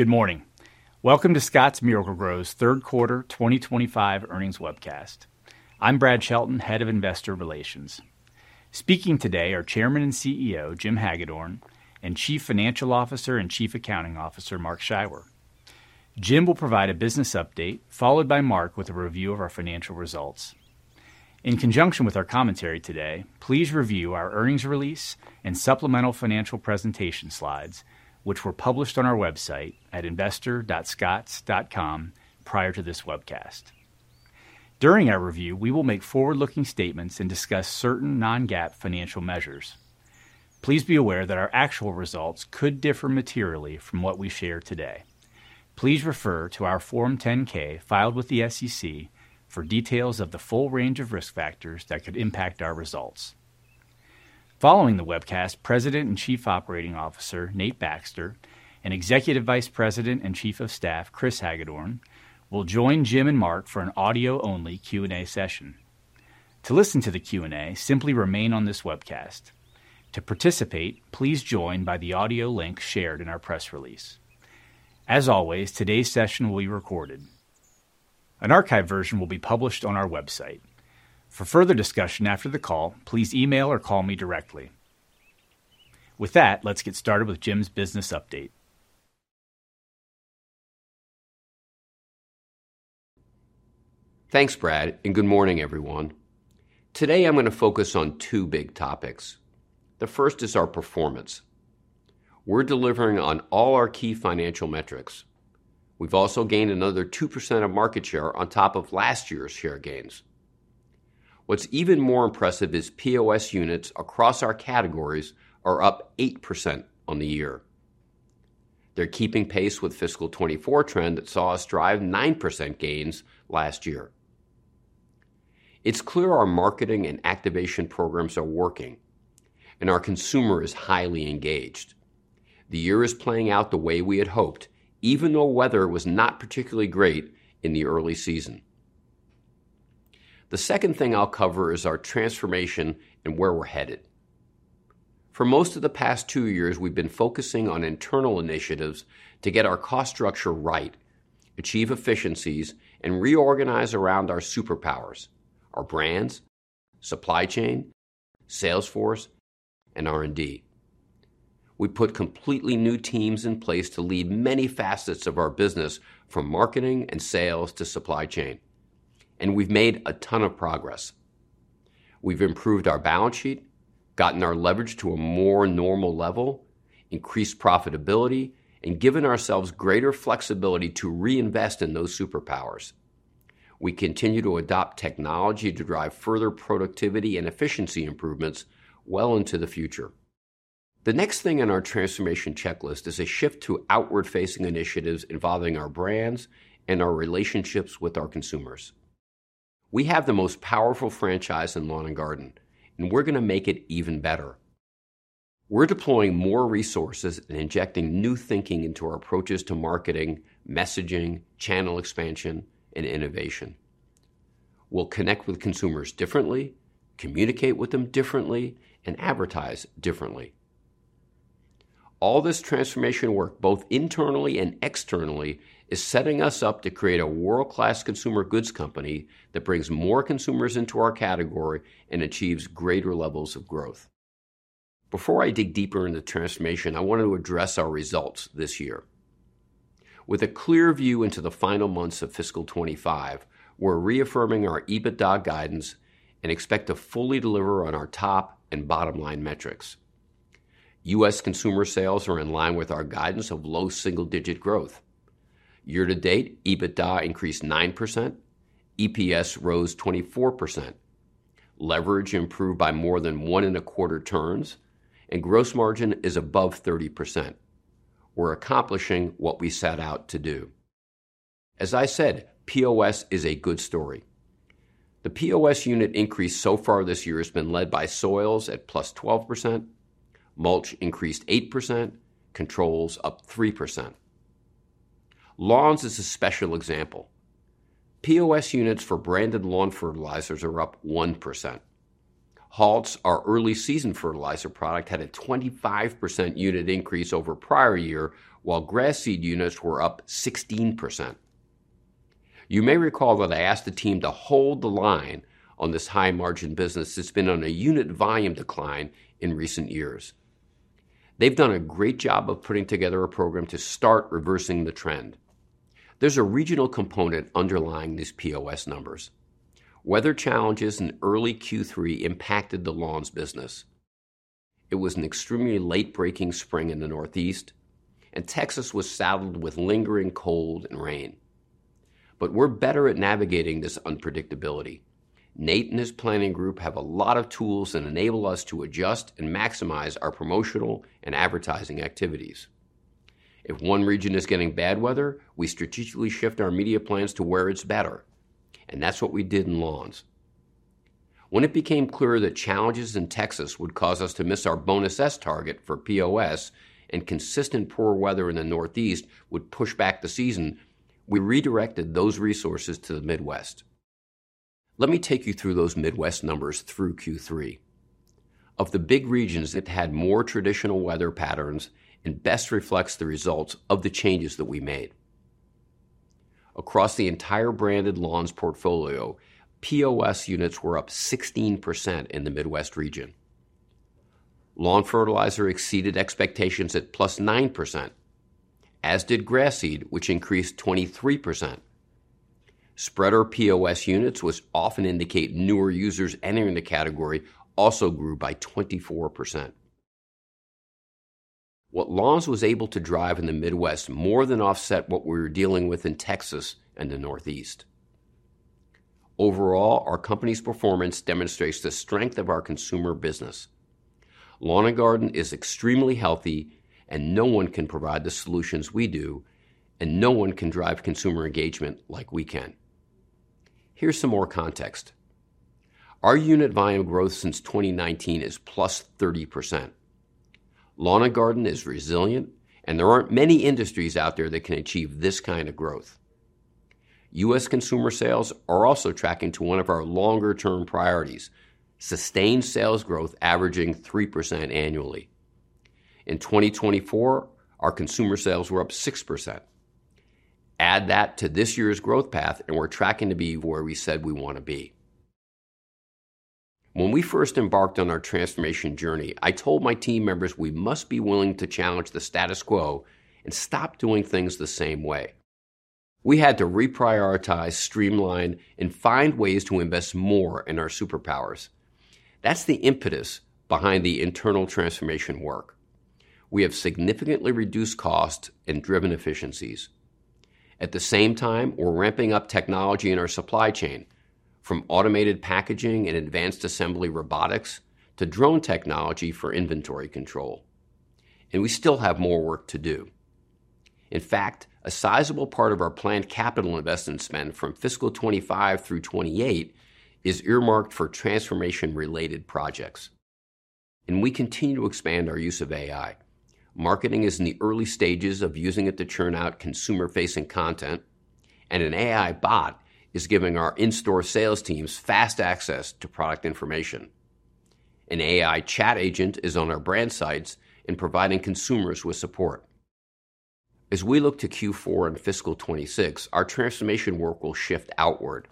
Good morning. Welcome to Scotts Miracle-Gro's third quarter 2025 earnings webcast. I'm Brad Chelton, Head of Investor Relations. Speaking today are Chairman and CEO Jim Hagedorn and Chief Financial Officer and Chief Accounting Officer Mark Scheiwer. Jim will provide a business update, followed by Mark with a review of our financial results. In conjunction with our commentary today, please review our earnings release and supplemental financial presentation slides, which were published on our website at investor.scotts.com prior to this webcast. During our review, we will make forward-looking statements and discuss certain non-GAAP financial measures. Please be aware that our actual results could differ materially from what we share today. Please refer to our Form 10-K filed with the SEC for details of the full range of risk factors that could impact our results. Following the webcast, President and Chief Operating Officer Nate Baxter and Executive Vice President and Chief of Staff Chris Hagedorn will join Jim and Mark for an audio-only Q&A session. To listen to the Q&A, simply remain on this webcast. To participate, please join by the audio link shared in our press release. As always, today's session will be recorded. An archive version will be published on our website. For further discussion after the call, please email or call me directly. With that, let's get started with Jim's business update. Thanks, Brad, and good morning, everyone. Today I'm going to focus on two big topics. The first is our performance. We're delivering on all our key financial metrics. We've also gained another 2% of market share on top of last year's share gains. What's even more impressive is POS units across our categories are up 8% on the year. They're keeping pace with the fiscal 2024 trend that saw us drive 9% gains last year. It's clear our marketing and activation programs are working, and our consumer is highly engaged. The year is playing out the way we had hoped, even though weather was not particularly great in the early season. The second thing I'll cover is our transformation and where we're headed. For most of the past two years, we've been focusing on internal initiatives to get our cost structure right, achieve efficiencies, and reorganize around our superpowers: our brands, supply chain, sales force, and R&D. We put completely new teams in place to lead many facets of our business, from marketing and sales to supply chain, and we've made a ton of progress. We've improved our balance sheet, gotten our leverage to a more normal level, increased profitability, and given ourselves greater flexibility to reinvest in those superpowers. We continue to adopt technology to drive further productivity and efficiency improvements well into the future. The next thing on our transformation checklist is a shift to outward-facing initiatives involving our brands and our relationships with our consumers. We have the most powerful franchise in Lawn and Garden, and we're going to make it even better. We're deploying more resources and injecting new thinking into our approaches to marketing, messaging, channel expansion, and innovation. We'll connect with consumers differently, communicate with them differently, and advertise differently. All this transformation work, both internally and externally, is setting us up to create a world-class consumer goods company that brings more consumers into our category and achieves greater levels of growth. Before I dig deeper into the transformation, I want to address our results this year. With a clear view into the final months of fiscal 2025, we're reaffirming our EBITDA guidance and expect to fully deliver on our top and bottom-line metrics. U.S. consumer sales are in line with our guidance of low single-digit growth. Year-to-date, EBITDA increased 9%, EPS rose 24%, leverage improved by more than one and a quarter turns, and gross margin is above 30%. We're accomplishing what we set out to do. As I said, POS is a good story. The POS unit increase so far this year has been led by soils at plus 12%, mulch increased 8%, controls up 3%. Lawns is a special example. POS units for branded lawn fertilizers are up 1%. Halts, our early-season fertilizer product, had a 25% unit increase over prior years, while grass seed units were up 16%. You may recall that I asked the team to hold the line on this high-margin business that's been on a unit volume decline in recent years. They've done a great job of putting together a program to start reversing the trend. There's a regional component underlying these POS numbers. Weather challenges in early Q3 impacted the lawns business. It was an extremely late-breaking spring in the Northeast, and Texas was saddled with lingering cold and rain. We're better at navigating this unpredictability. Nate and his planning group have a lot of tools that enable us to adjust and maximize our promotional and advertising activities. If one region is getting bad weather, we strategically shift our media plans to where it's better, and that's what we did in lawns. When it became clear that challenges in Texas would cause us to miss our Bonus S target for POS and consistent poor weather in the Northeast would push back the season, we redirected those resources to the Midwest. Let me take you through those Midwest numbers through Q3. Of the big regions, it had more traditional weather patterns and best reflects the results of the changes that we made. Across the entire branded lawns portfolio, POS units were up 16% in the Midwest region. Lawn fertilizer exceeded expectations at +9%, as did grass seed, which increased 23%. Spreader POS units, which often indicate newer users entering the category, also grew by 24%. What lawns was able to drive in the Midwest more than offset what we were dealing with in Texas and the Northeast. Overall, our company's performance demonstrates the strength of our consumer business. Lawn and Garden is extremely healthy, and no one can provide the solutions we do, and no one can drive consumer engagement like we can. Here's some more context. Our unit volume growth since 2019 is plus 30%. Lawn and Garden is resilient, and there aren't many industries out there that can achieve this kind of growth. U.S. consumer sales are also tracking to one of our longer-term priorities: sustained sales growth averaging 3% annually. In 2024, our consumer sales were up 6%. Add that to this year's growth path, and we're tracking to be where we said we want to be. When we first embarked on our transformation journey, I told my team members we must be willing to challenge the status quo and stop doing things the same way. We had to reprioritize, streamline, and find ways to invest more in our superpowers. That's the impetus behind the internal transformation work. We have significantly reduced costs and driven efficiencies. At the same time, we're ramping up technology in our supply chain, from automated packaging and advanced assembly robotics to drone technology for inventory control. We still have more work to do. In fact, a sizable part of our planned capital investment spend from fiscal 2025 through 2028 is earmarked for transformation-related projects. We continue to expand our use of AI. Marketing is in the early stages of using it to churn out consumer-facing content, and an AI bot is giving our in-store sales teams fast access to product information. An AI chat agent is on our brand sites and providing consumers with support. As we look to Q4 and fiscal 2026, our transformation work will shift outward.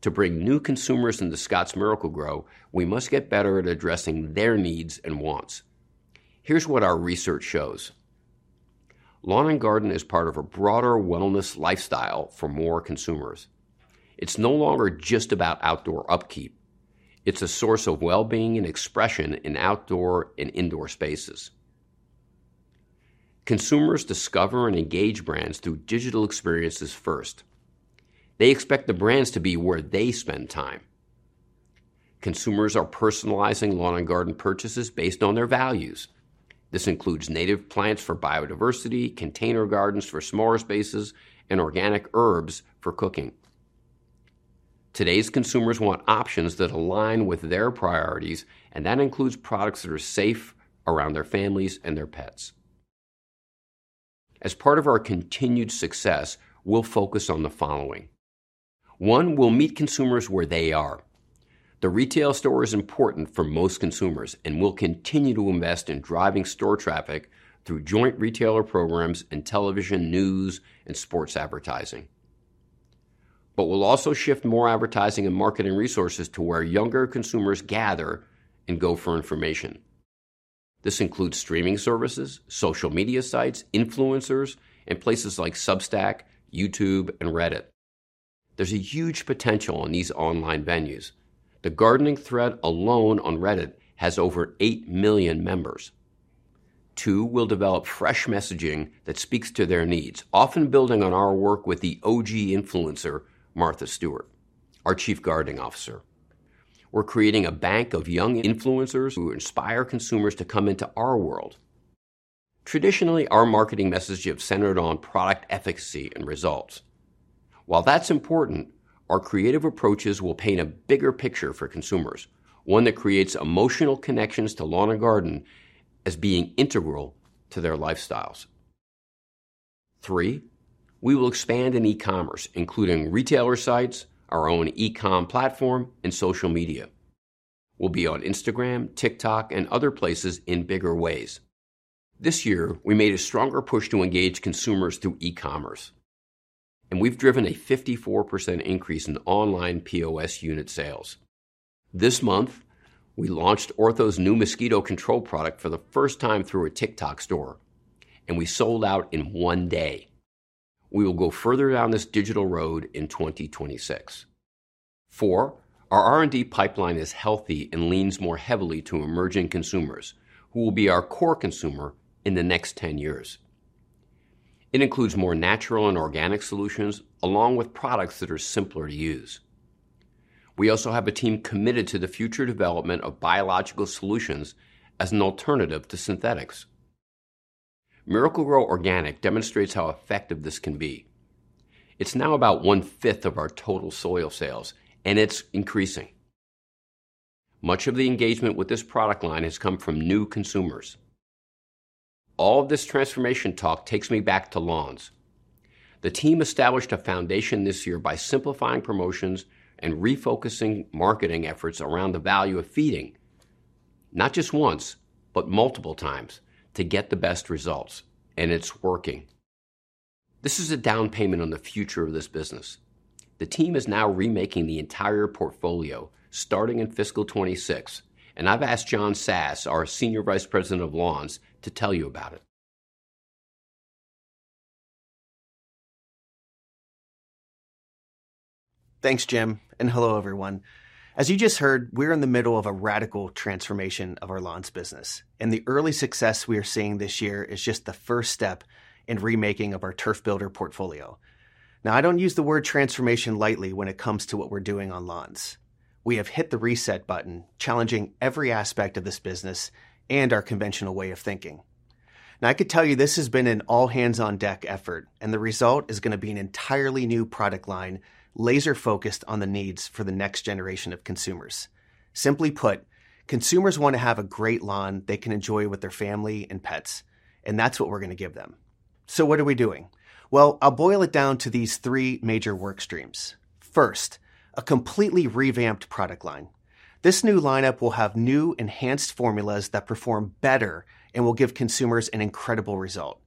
To bring new consumers into Scotts Miracle-Gro, we must get better at addressing their needs and wants. Here's what our research shows. Lawn and Garden is part of a broader wellness lifestyle for more consumers. It's no longer just about outdoor upkeep. It's a source of well-being and expression in outdoor and indoor spaces. Consumers discover and engage brands through digital experiences first. They expect the brands to be where they spend time. Consumers are personalizing Lawn and Garden purchases based on their values. This includes native plants for biodiversity, container gardens for smaller spaces, and organic herbs for cooking. Today's consumers want options that align with their priorities, and that includes products that are safe around their families and their pets. As part of our continued success, we'll focus on the following: One, we'll meet consumers where they are. The retail store is important for most consumers, and we'll continue to invest in driving store traffic through joint retailer programs and television, news, and sports advertising. We will also shift more advertising and marketing resources to where younger consumers gather and go for information. This includes streaming services, social media sites, influencers, and places like Substack, YouTube, and Reddit. There's a huge potential in these online venues. The gardening thread alone on Reddit has over 8 million members. Two, we'll develop fresh messaging that speaks to their needs, often building on our work with the OG influencer, Martha Stewart, our Chief Gardening Officer. We're creating a bank of young influencers who inspire consumers to come into our world. Traditionally, our marketing message has centered on product efficacy and results. While that's important, our creative approaches will paint a bigger picture for consumers, one that creates emotional connections to Lawn and Garden as being integral to their lifestyles. Three, we will expand in e-commerce, including retailer sites, our own e-com platform, and social media. We'll be on Instagram, TikTok, and other places in bigger ways. This year, we made a stronger push to engage consumers through e-commerce, and we've driven a 54% increase in online POS unit sales. This month, we launched Ortho's new mosquito control product for the first time through a TikTok store, and we sold out in one day. We will go further down this digital road in 2026. Four, our R&D pipeline is healthy and leans more heavily to emerging consumers, who will be our core consumer in the next 10 years. It includes more natural and organic solutions, along with products that are simpler to use. We also have a team committed to the future development of biological solutions as an alternative to synthetics. Miracle-Gro Organics demonstrates how effective this can be. It's now about 1/5 of our total soil sales, and it's increasing. Much of the engagement with this product line has come from new consumers. All of this transformation talk takes me back to lawns. The team established a foundation this year by simplifying promotions and refocusing marketing efforts around the value of feeding, not just once, but multiple times, to get the best results, and it's working. This is a down payment on the future of this business. The team is now remaking the entire portfolio, starting in fiscal 2026, and I've asked John Sass, our Senior Vice President of Lawns, to tell you about it. Thanks, Jim, and hello, everyone. As you just heard, we're in the middle of a radical transformation of our lawns business, and the early success we are seeing this year is just the first step in the remaking of our turf builder portfolio. I don't use the word transformation lightly when it comes to what we're doing on lawns. We have hit the reset button, challenging every aspect of this business and our conventional way of thinking. I could tell you this has been an all-hands-on-deck effort, and the result is going to be an entirely new product line, laser-focused on the needs for the next generation of consumers. Simply put, consumers want to have a great lawn they can enjoy with their family and pets, and that's what we're going to give them. What are we doing? I'll boil it down to these three major work streams. First, a completely revamped product line. This new lineup will have new, enhanced formulas that perform better and will give consumers an incredible result.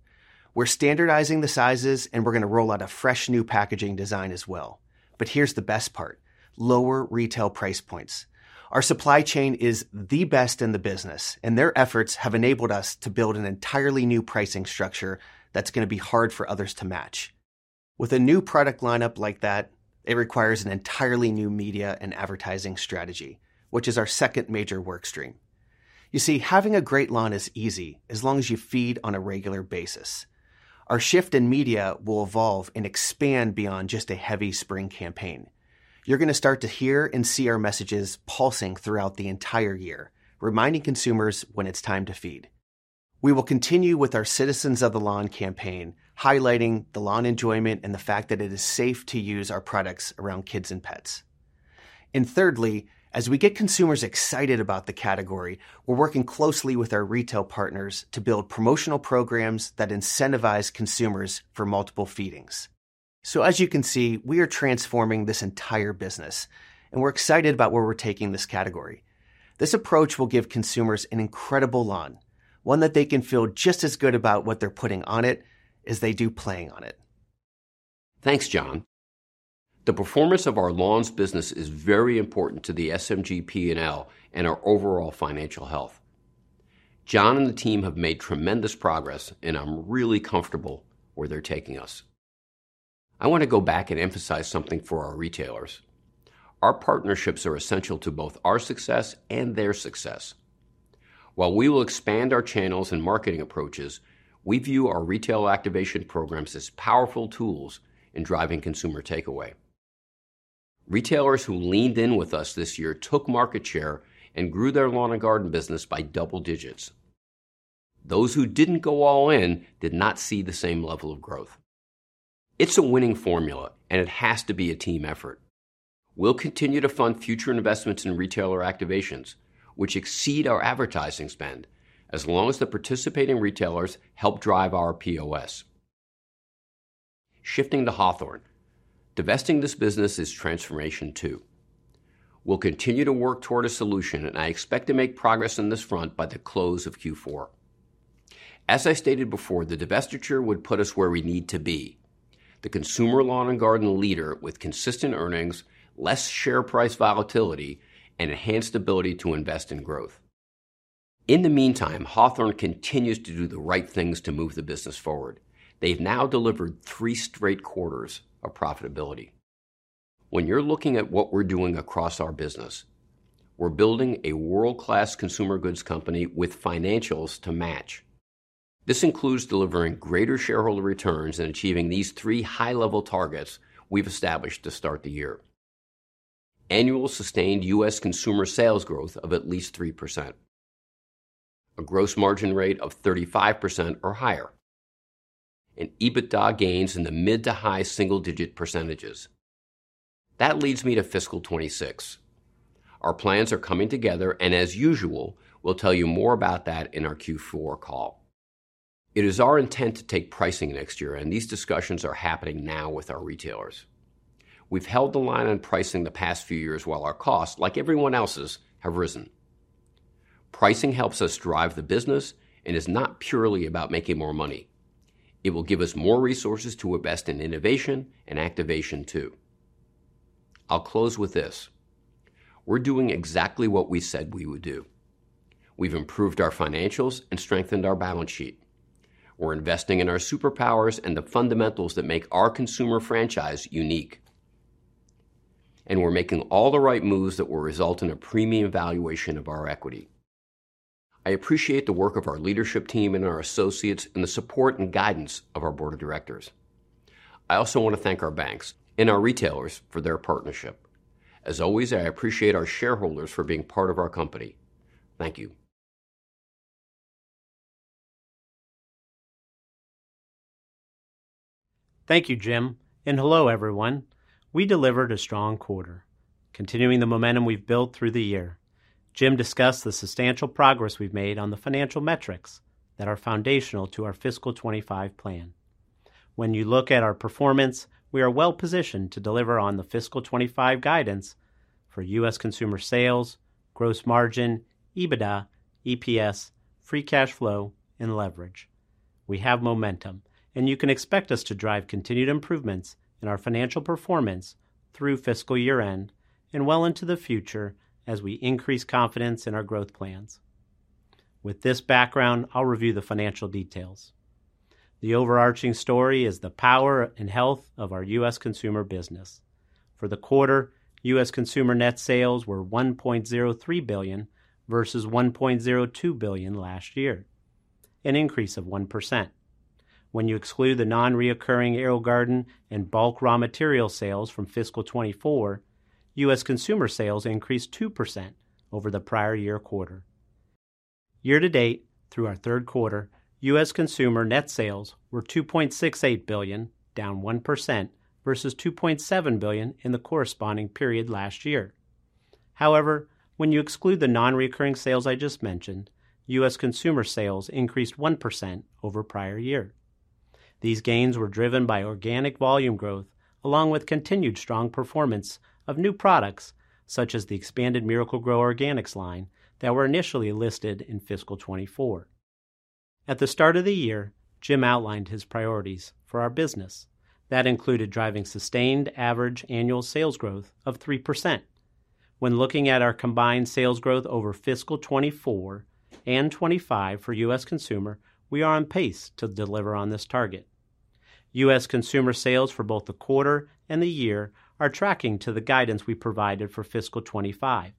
We're standardizing the sizes, and we're going to roll out a fresh new packaging design as well. Here's the best part: lower retail price points. Our supply chain is the best in the business, and their efforts have enabled us to build an entirely new pricing structure that's going to be hard for others to match. With a new product lineup like that, it requires an entirely new media and advertising strategy, which is our second major work stream. You see, having a great lawn is easy as long as you feed on a regular basis. Our shift in media will evolve and expand beyond just a heavy spring campaign. You're going to start to hear and see our messages pulsing throughout the entire year, reminding consumers when it's time to feed. We will continue with our Citizens of the Lawn campaign, highlighting the lawn enjoyment and the fact that it is safe to use our products around kids and pets. Thirdly, as we get consumers excited about the category, we're working closely with our retail partners to build promotional programs that incentivize consumers for multiple feedings. As you can see, we are transforming this entire business, and we're excited about where we're taking this category. This approach will give consumers an incredible lawn, one that they can feel just as good about what they're putting on it as they do playing on it. Thanks, John. The performance of our lawns business is very important to the SMG P&L and our overall financial health. John and the team have made tremendous progress, and I'm really comfortable where they're taking us. I want to go back and emphasize something for our retailers. Our partnerships are essential to both our success and their success. While we will expand our channels and marketing approaches, we view our retail activation programs as powerful tools in driving consumer takeaway. Retailers who leaned in with us this year took market share and grew their lawn and garden business by double digits. Those who didn't go all in did not see the same level of growth. It's a winning formula, and it has to be a team effort. We'll continue to fund future investments in retailer activations, which exceed our advertising spend, as long as the participating retailers help drive our POS. Shifting to Hawthorne, divesting this business is transformation too. We'll continue to work toward a solution, and I expect to make progress on this front by the close of Q4. As I stated before, the divestiture would put us where we need to be: the consumer lawn and garden leader with consistent earnings, less share price volatility, and enhanced ability to invest in growth. In the meantime, Hawthorne continues to do the right things to move the business forward. They've now delivered three straight quarters of profitability. When you're looking at what we're doing across our business, we're building a world-class consumer goods company with financials to match. This includes delivering greater shareholder returns and achieving these three high-level targets we've established to start the year: annual sustained U.S. consumer sales growth of at least 3%, a gross margin rate of 35% or higher, and EBITDA gains in the mid to high single-digit percentages. That leads me to fiscal 2026. Our plans are coming together, and as usual, we'll tell you more about that in our Q4 call. It is our intent to take pricing next year, and these discussions are happening now with our retailers. We've held the line on pricing the past few years while our costs, like everyone else's, have risen. Pricing helps us drive the business and is not purely about making more money. It will give us more resources to invest in innovation and activation too. I'll close with this: we're doing exactly what we said we would do. We've improved our financials and strengthened our balance sheet. We're investing in our superpowers and the fundamentals that make our consumer franchise unique. We're making all the right moves that will result in a premium valuation of our equity. I appreciate the work of our leadership team and our associates and the support and guidance of our board of directors. I also want to thank our banks and our retailers for their partnership. As always, I appreciate our shareholders for being part of our company. Thank you. Thank you, Jim, and hello, everyone. We delivered a strong quarter, continuing the momentum we've built through the year. Jim discussed the substantial progress we've made on the financial metrics that are foundational to our fiscal 2025 plan. When you look at our performance, we are well positioned to deliver on the fiscal 2025 guidance for U.S. consumer sales, gross margin, EBITDA/EPS, free cash flow, and leverage. We have momentum, and you can expect us to drive continued improvements in our financial performance through fiscal year-end and well into the future as we increase confidence in our growth plans. With this background, I'll review the financial details. The overarching story is the power and health of our U.S. consumer business. For the quarter, U.S. consumer net sales were $1.03 billion vs $1.02 billion last year, an increase of 1%. When you exclude the non-recurring AeroGarden and bulk raw material sales from fiscal 2024, U.S. consumer sales increased 2% over the prior year quarter. Year to date, through our third quarter, U.S. consumer net sales were $2.68 billion, down 1% vs $2.7 billion in the corresponding period last year. However, when you exclude the non-recurring sales I just mentioned, U.S. consumer sales increased 1% over prior year. These gains were driven by organic volume growth, along with continued strong performance of new products, such as the expanded Miracle-Gro Organics line that were initially listed in fiscal 2024. At the start of the year, Jim outlined his priorities for our business. That included driving sustained average annual sales growth of 3%. When looking at our combined sales growth over fiscal 2024 and 2025 for U.S. consumer, we are on pace to deliver on this target. U.S. consumer sales for both the quarter and the year are tracking to the guidance we provided for fiscal 2025,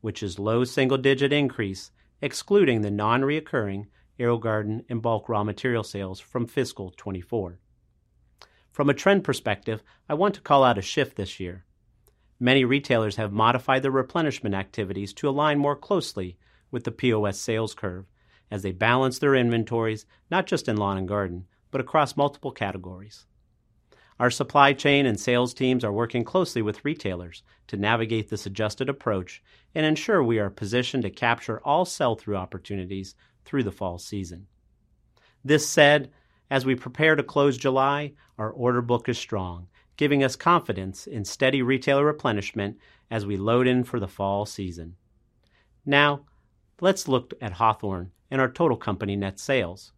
which is low single-digit increase, excluding the non-recurring AeroGarden and bulk raw material sales from fiscal 2024. From a trend perspective, I want to call out a shift this year. Many retailers have modified their replenishment activities to align more closely with the POS sales curve as they balance their inventories, not just in lawn and garden, but across multiple categories. Our supply chain and sales teams are working closely with retailers to navigate this adjusted approach and ensure we are positioned to capture all sell-through opportunities through the fall season. This said, as we prepare to close July, our order book is strong, giving us confidence in steady retailer replenishment as we load in for the fall season. Now, let's look at Hawthorne and our total company net sales.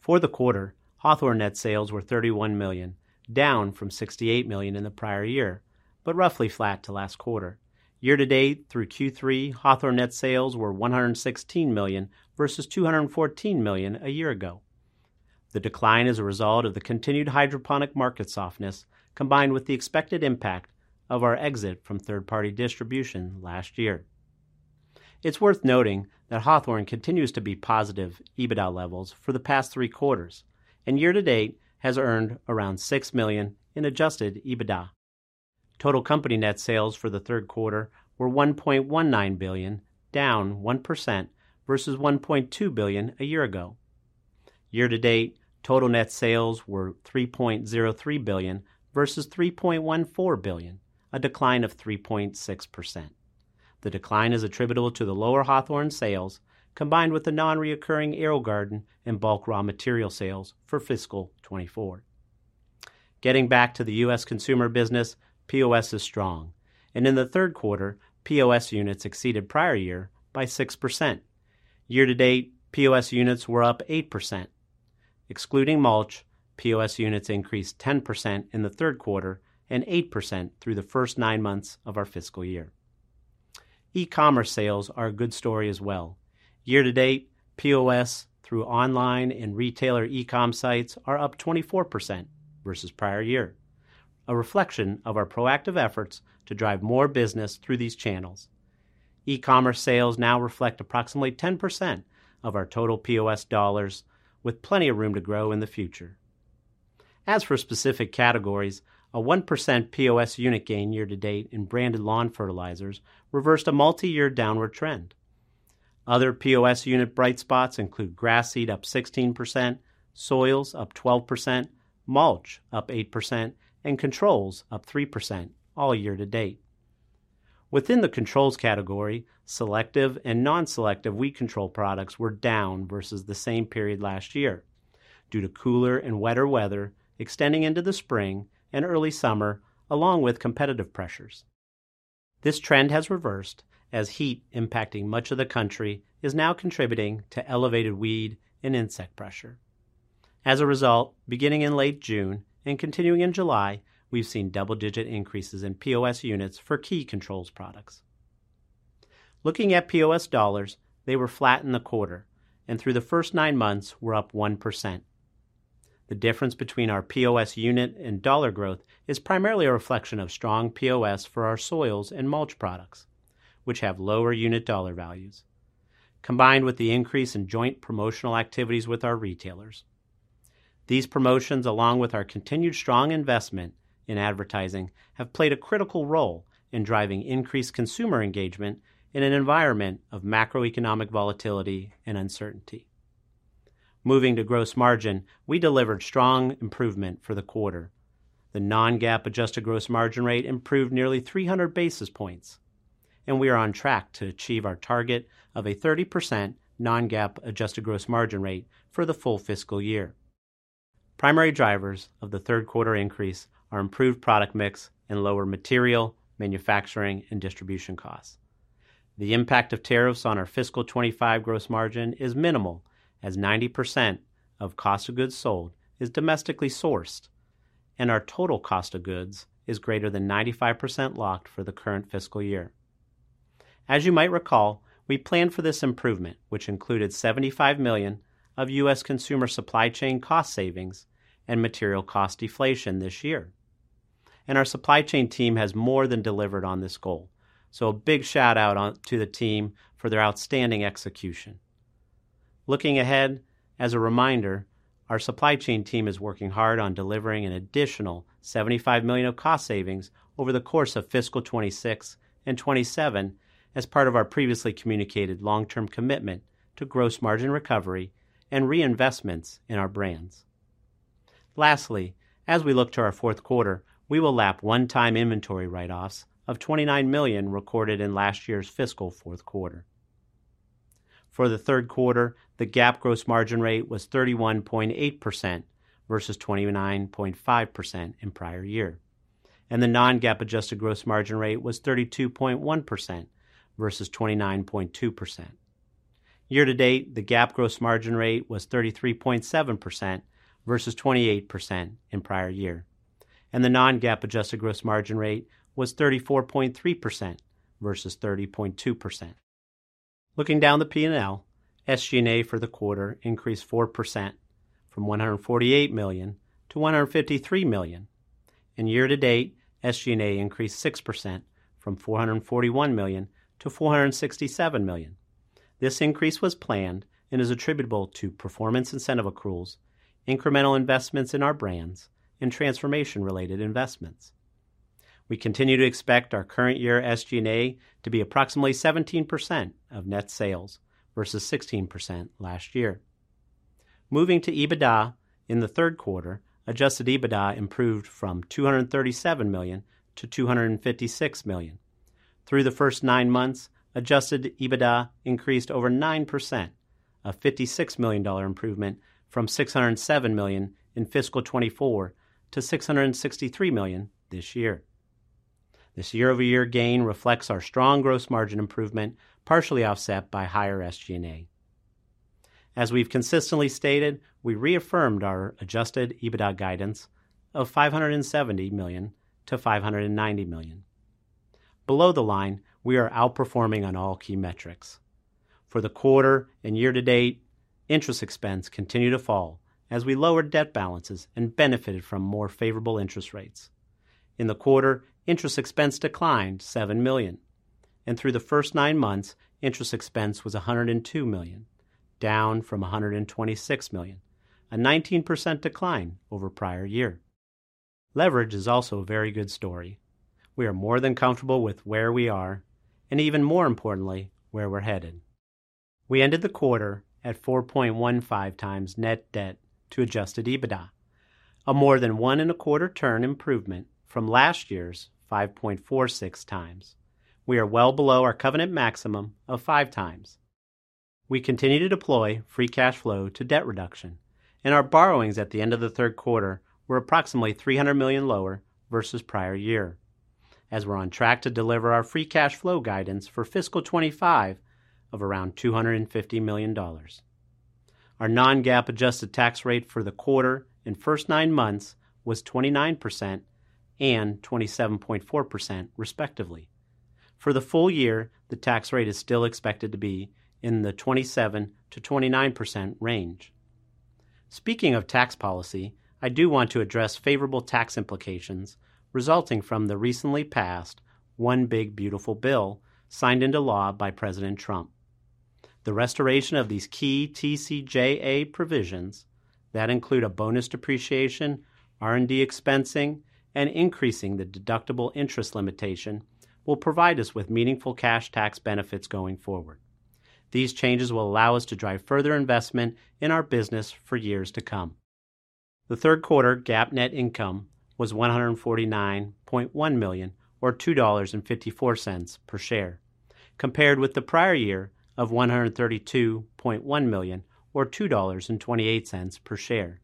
For the quarter, Hawthorne net sales were $31 million, down from $68 million in the prior year, but roughly flat to last quarter. Year to date, through Q3, Hawthorne net sales were $116 million vs $214 million a year ago. The decline is a result of the continued hydroponic market softness, combined with the expected impact of our exit from third-party distribution last year. It's worth noting that Hawthorne continues to be positive EBITDA levels for the past three quarters, and year to date has earned around $6 million in adjusted EBITDA. Total company net sales for the third quarter were $1.19 billion, down 1% vs $1.2 billion a year ago. Year to date, total net sales were $3.03 billion vs $3.14 billion, a decline of 3.6%. The decline is attributable to the lower Hawthorne sales combined with the non-recurring AeroGarden and bulk raw material sales for fiscal 2024. Getting back to the U.S. consumer business, POS is strong, and in the third quarter, POS units exceeded prior year by 6%. Year to date, POS units were up 8%. Excluding mulch, POS units increased 10% in the third quarter and 8% through the first nine months of our fiscal year. E-commerce sales are a good story as well. Year to date, POS through online and retailer e-commerce sites are up 24% vs prior year, a reflection of our proactive efforts to drive more business through these channels. E-commerce sales now reflect approximately 10% of our total POS dollars, with plenty of room to grow in the future. As for specific categories, a 1% POS unit gain year to date in branded lawn fertilizers reversed a multi-year downward trend. Other POS unit bright spots include grass seed up 16%, soils up 12%, mulch up 8%, and controls up 3% all year to date. Within the controls category, selective and non-selective weed control products were down versus the same period last year due to cooler and wetter weather extending into the spring and early summer, along with competitive pressures. This trend has reversed as heat impacting much of the country is now contributing to elevated weed and insect pressure. As a result, beginning in late June and continuing in July, we've seen double-digit increases in POS units for key controls products. Looking at POS dollars, they were flat in the quarter, and through the first nine months, were up 1%. The difference between our POS unit and dollar growth is primarily a reflection of strong POS for our soils and mulch products, which have lower unit dollar values, combined with the increase in joint promotional activities with our retailers. These promotions, along with our continued strong investment in advertising, have played a critical role in driving increased consumer engagement in an environment of macro-economic volatility and uncertainty. Moving to gross margin, we delivered strong improvement for the quarter. The non-GAAP adjusted gross margin rate improved nearly 300 basis points, and we are on track to achieve our target of a 30% non-GAAP adjusted gross margin rate for the full fiscal year. Primary drivers of the third quarter increase are improved product mix and lower material, manufacturing, and distribution costs. The impact of tariffs on our fiscal 2025 gross margin is minimal, as 90% of cost of goods sold is domestically sourced, and our total cost of goods is greater than 95% locked for the current fiscal year. As you might recall, we planned for this improvement, which included $75 million of U.S. consumer supply chain cost savings and material cost deflation this year. Our supply chain team has more than delivered on this goal, so a big shout out to the team for their outstanding execution. Looking ahead, as a reminder, our supply chain team is working hard on delivering an additional $75 million of cost savings over the course of fiscal 2026 and 2027 as part of our previously communicated long-term commitment to gross margin recovery and reinvestments in our brands. Lastly, as we look to our fourth quarter, we will lap one-time inventory write-offs of $29 million recorded in last year's fiscal fourth quarter. For the third quarter, the GAAP gross margin rate was 31.8% vs 29.5% in prior year, and the non-GAAP adjusted gross margin rate was 32.1% vs 29.2%. Year to date, the GAAP gross margin rate was 33.7% vs 28% in prior year, and the non-GAAP adjusted gross margin rate was 34.3% vs 30.2%. Looking down the P&L, SG&A for the quarter increased 4% from $148 million-$153 million, and year to date, SG&A increased 6% from $441 million-$467 million. This increase was planned and is attributable to performance incentive accruals, incremental investments in our brands, and transformation-related investments. We continue to expect our current year SG&A to be approximately 17% of net sales vs 16% last year. Moving to EBITDA in the third quarter, adjusted EBITDA improved from $237 million-$256 million. Through the first nine months, adjusted EBITDA increased over 9%, a $56 million improvement from $607 million in fiscal 2024 to $663 million this year. This year-over-year gain reflects our strong gross margin improvement, partially offset by higher SG&A. As we've consistently stated, we reaffirmed our adjusted EBITDA guidance of $570 million-$590 million. Below the line, we are outperforming on all key metrics. For the quarter and year to date, interest expense continued to fall as we lowered debt balances and benefited from more favorable interest rates. In the quarter, interest expense declined $7 million, and through the first nine months, interest expense was $102 million, down from $126 million, a 19% decline over prior year. Leverage is also a very good story. We are more than comfortable with where we are, and even more importantly, where we're headed. We ended the quarter at 4.15x net debt to adjusted EBITDA, a more than one and a quarter turn improvement from last year's 5.46x. We are well below our covenant maximum of 5x. We continue to deploy free cash flow to debt reduction, and our borrowings at the end of the third quarter were approximately $300 million lower vs prior year, as we're on track to deliver our free cash flow guidance for fiscal 2025 of around $250 million. Our non-GAAP adjusted tax rate for the quarter and first nine months was 29% and 27.4% respectively. For the full year, the tax rate is still expected to be in the 27%-29% range. Speaking of tax policy, I do want to address favorable tax implications resulting from the recently passed One Big Beautiful Bill signed into law by President Trump. The restoration of these key TCJA provisions that include a bonus depreciation, R&D expensing, and increasing the deductible interest limitation will provide us with meaningful cash tax benefits going forward. These changes will allow us to drive further investment in our business for years to come. The third quarter GAAP net income was $149.1 million or $2.54/share, compared with the prior year of $132.1 million or $2.28/share.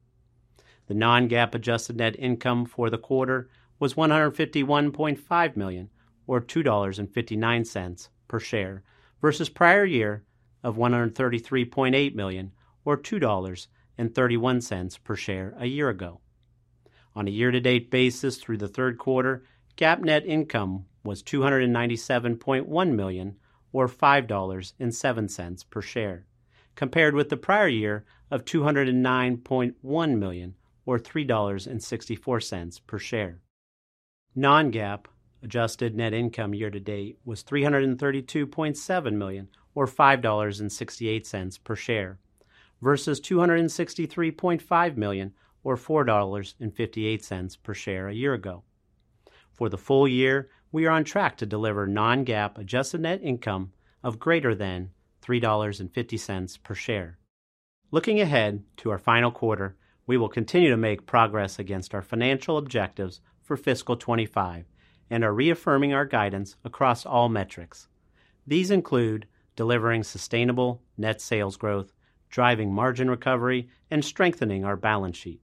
The non-GAAP adjusted net income for the quarter was $151.5 million or $2.59/share vs prior year of $133.8 million or $2.31/share a year ago. On a year-to-date basis through the third quarter, GAAP net income was $297.1 million or $5.07/share, compared with the prior year of $209.1 million or $3.64/share. Non-GAAP adjusted net income year to date was $332.7 million or $5.68/share vs $263.5 million or $4.58/share a year ago. For the full year, we are on track to deliver non-GAAP adjusted net income of greater than $3.50/share. Looking ahead to our final quarter, we will continue to make progress against our financial objectives for fiscal 2025 and are reaffirming our guidance across all metrics. These include delivering sustainable net sales growth, driving margin recovery, and strengthening our balance sheet.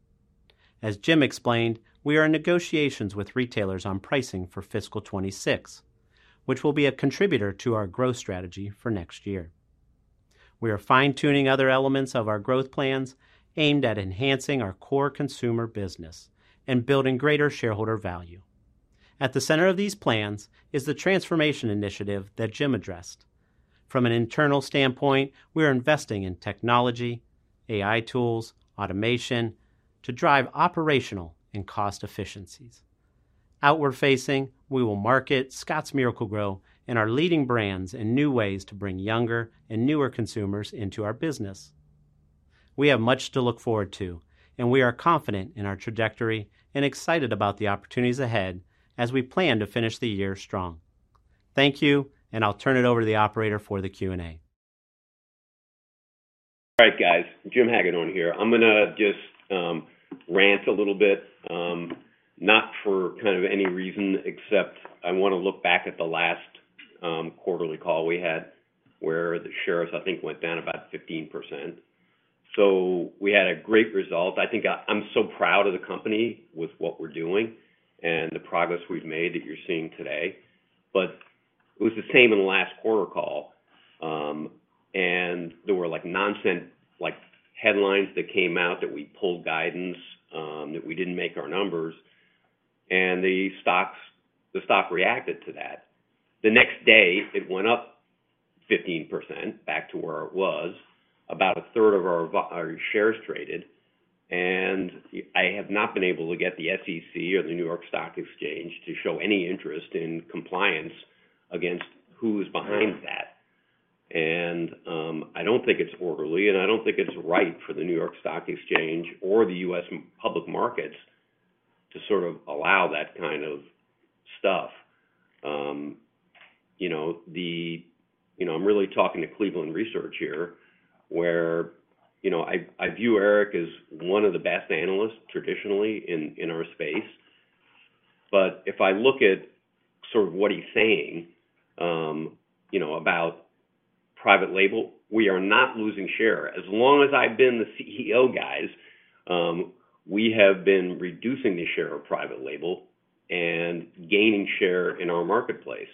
As Jim explained, we are in negotiations with retailers on pricing for fiscal 2026, which will be a contributor to our growth strategy for next year. We are fine-tuning other elements of our growth plans aimed at enhancing our core consumer business and building greater shareholder value. At the center of these plans is the transformation initiative that Jim addressed. From an internal standpoint, we are investing in technology, AI tools, automation to drive operational and cost efficiencies. Outward-facing, we will market Scotts Miracle-Gro and our leading brands in new ways to bring younger and newer consumers into our business. We have much to look forward to, and we are confident in our trajectory and excited about the opportunities ahead as we plan to finish the year strong. Thank you, and I'll turn it over to the operator for the Q&A. All right, guys, Jim Hagedorn here. I'm going to just rant a little bit, not for kind of any reason except I want to look back at the last quarterly call we had where the shares I think went down about 15%. We had a great result. I think I'm so proud of the company with what we're doing and the progress we've made that you're seeing today. It was the same in the last quarter call, and there were like nonsense headlines that came out that we pulled guidance, that we didn't make our numbers, and the stock reacted to that. The next day, it went up 15% back to where it was. About a third of our shares traded, and I have not been able to get the SEC or the New York Stock Exchange to show any interest in compliance against who is behind that. I don't think it's orderly, and I don't think it's right for the New York Stock Exchange or the U.S. public markets to sort of allow that kind of stuff. I'm really talking to Cleveland Research here where I view Eric as one of the best analysts traditionally in our space. If I look at sort of what he's saying about private label, we are not losing share. As long as I've been the CEO, guys, we have been reducing the share of private label and gaining share in our marketplace.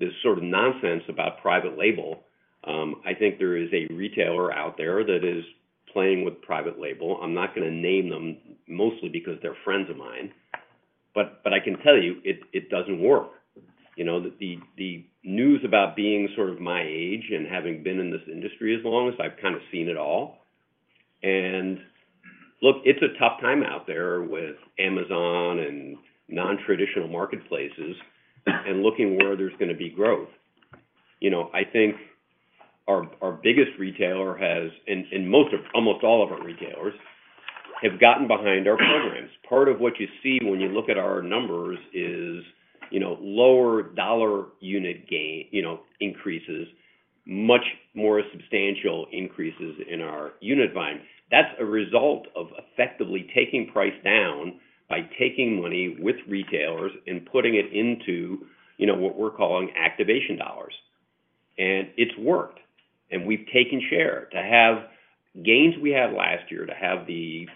This sort of nonsense about private label, I think there is a retailer out there that is playing with private label. I'm not going to name them, mostly because they're friends of mine, but I can tell you it doesn't work. The news about being sort of my age and having been in this industry as long as I've kind of seen it all. Look, it's a tough time out there with Amazon and non-traditional marketplaces and looking where there's going to be growth. I think our biggest retailer has, and most of almost all of our retailers have gotten behind our programs. Part of what you see when you look at our numbers is lower dollar unit gain, increases, much more substantial increases in our unit volume. That's a result of effectively taking price down by taking money with retailers and putting it into what we're calling activation dollars. It's worked, and we've taken share. To have gains we had last year, to have the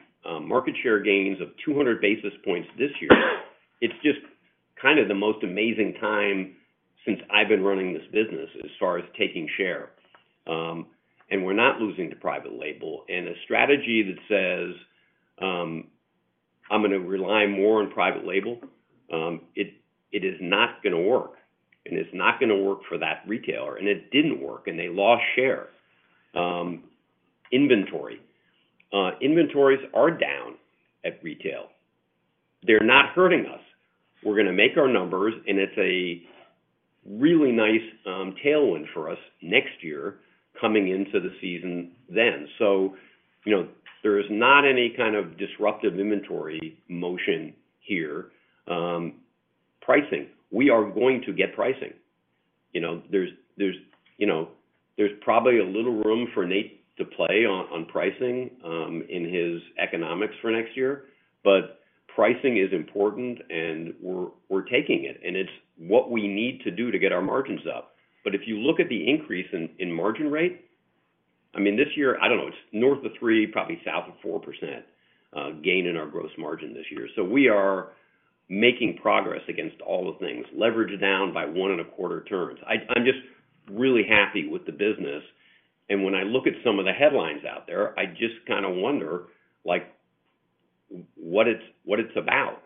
market share gains of 200 basis points this year, it's just kind of the most amazing time since I've been running this business as far as taking share. We're not losing to private label. A strategy that says, "I'm going to rely more on private label," is not going to work, and it's not going to work for that retailer. It didn't work, and they lost share. Inventories are down at retail. They're not hurting us. We're going to make our numbers, and it's a really nice tailwind for us next year coming into the season. There is not any kind of disruptive inventory motion here. Pricing, we are going to get pricing. There's probably a little room for Nate to play on pricing in his economics for next year, but pricing is important, and we're taking it. It's what we need to do to get our margins up. If you look at the increase in margin rate, this year, I don't know, it's north of 3%, probably south of 4% gain in our gross margin this year. We are making progress against all the things. Leverage down by 1.25 turns. I'm just really happy with the business. When I look at some of the headlines out there, I just kind of wonder what it's about.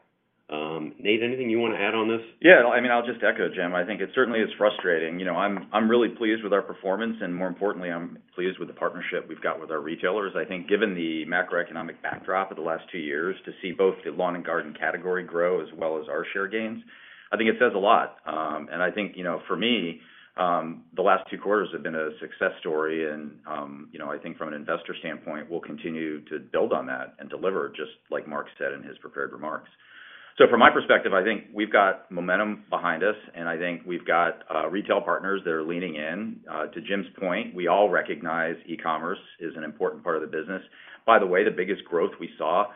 Nate, anything you want to add on this? Yeah, I mean, I'll just echo Jim. I think it certainly is frustrating. I'm really pleased with our performance, and more importantly, I'm pleased with the partnership we've got with our retailers. I think given the macro-economic backdrop of the last two years to see both the lawn and garden category grow as well as our share gains, I think it says a lot. For me, the last two quarters have been a success story, and I think from an investor standpoint, we'll continue to build on that and deliver just like Mark said in his prepared remarks. From my perspective, I think we've got momentum behind us, and I think we've got retail partners that are leaning in. To Jim's point, we all recognize e-commerce is an important part of the business. By the way, the biggest growth we saw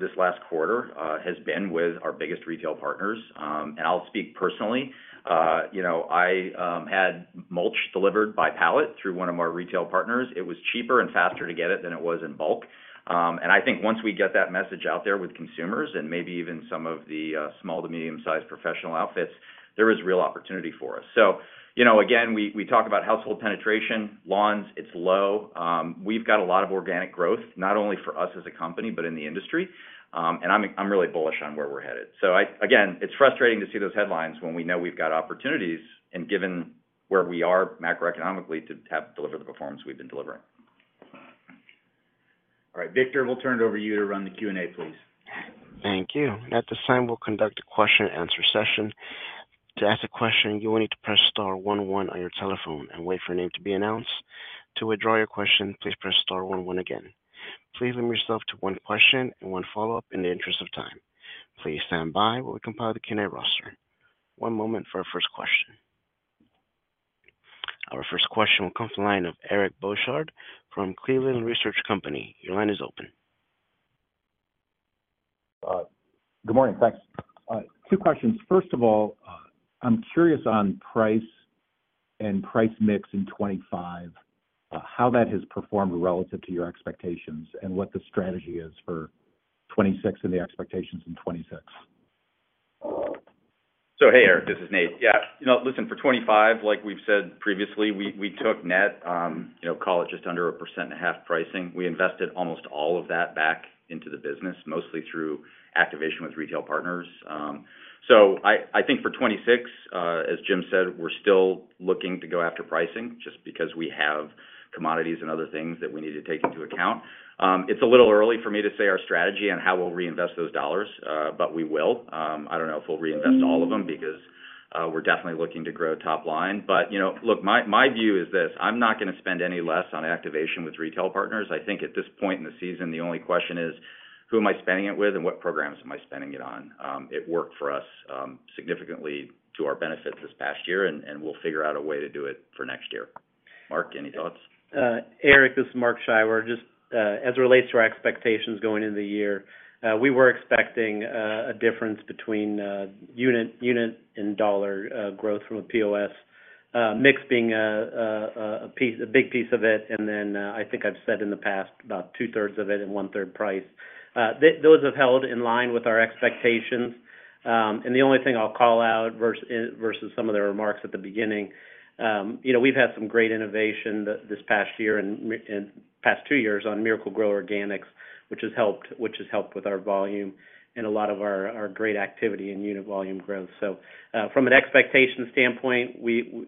this last quarter has been with our biggest retail partners. I'll speak personally. I had mulch delivered by pallet through one of our retail partners. It was cheaper and faster to get it than it was in bulk. I think once we get that message out there with consumers and maybe even some of the small to medium-sized professional outfits, there is real opportunity for us. We talk about household penetration, lawns, it's low. We've got a lot of organic growth, not only for us as a company, but in the industry. I'm really bullish on where we're headed. It's frustrating to see those headlines when we know we've got opportunities and given where we are macroeconomically to have delivered the performance we've been delivering. All right, Victor, we'll turn it over to you to run the Q&A, please. Thank you. At this time, we'll conduct a question-and-answer session. To ask a question, you will need to press star one oone one on your telephone and wait for your name to be announced. To withdraw your question, please press star one one again. Please limit yourself to one question and one follow-up in the interest of time. Please stand by while we compile the Q&A roster. One moment for our first question. Our first question will come from the line of Eric Bosshard from Cleveland Research Company. Your line is open. Good morning. Thanks. Two questions. First of all, I'm curious on price and price mix in 2025, how that has performed relative to your expectations and what the strategy is for 2026 and the expectations in 2026? Hey, Eric, this is Nate. For 2025, like we've said previously, we took net, call it just under a 1.5% pricing. We invested almost all of that back into the business, mostly through activation with retail partners. I think for 2026, as Jim said, we're still looking to go after pricing just because we have commodities and other things that we need to take into account. It's a little early for me to say our strategy and how we'll reinvest those dollars, but we will. I don't know if we'll reinvest all of them because we're definitely looking to grow top line. My view is this: I'm not going to spend any less on activation with retail partners. I think at this point in the season, the only question is, who am I spending it with and what programs am I spending it on? It worked for us significantly to our benefit this past year, and we'll figure out a way to do it for next year. Mark, any thoughts? Eric, this is Mark Scheiwer. Just as it relates to our expectations going into the year, we were expecting a difference between unit and dollar growth from a POS mix being a big piece of it. I think I've said in the past about 2/3 of it and 1/3 price. Those have held in line with our expectations. The only thing I'll call out versus some of the remarks at the beginning, we've had some great innovation this past year and past two years on Miracle-Gro Organics, which has helped with our volume and a lot of our great activity and unit volume growth. From an expectation standpoint,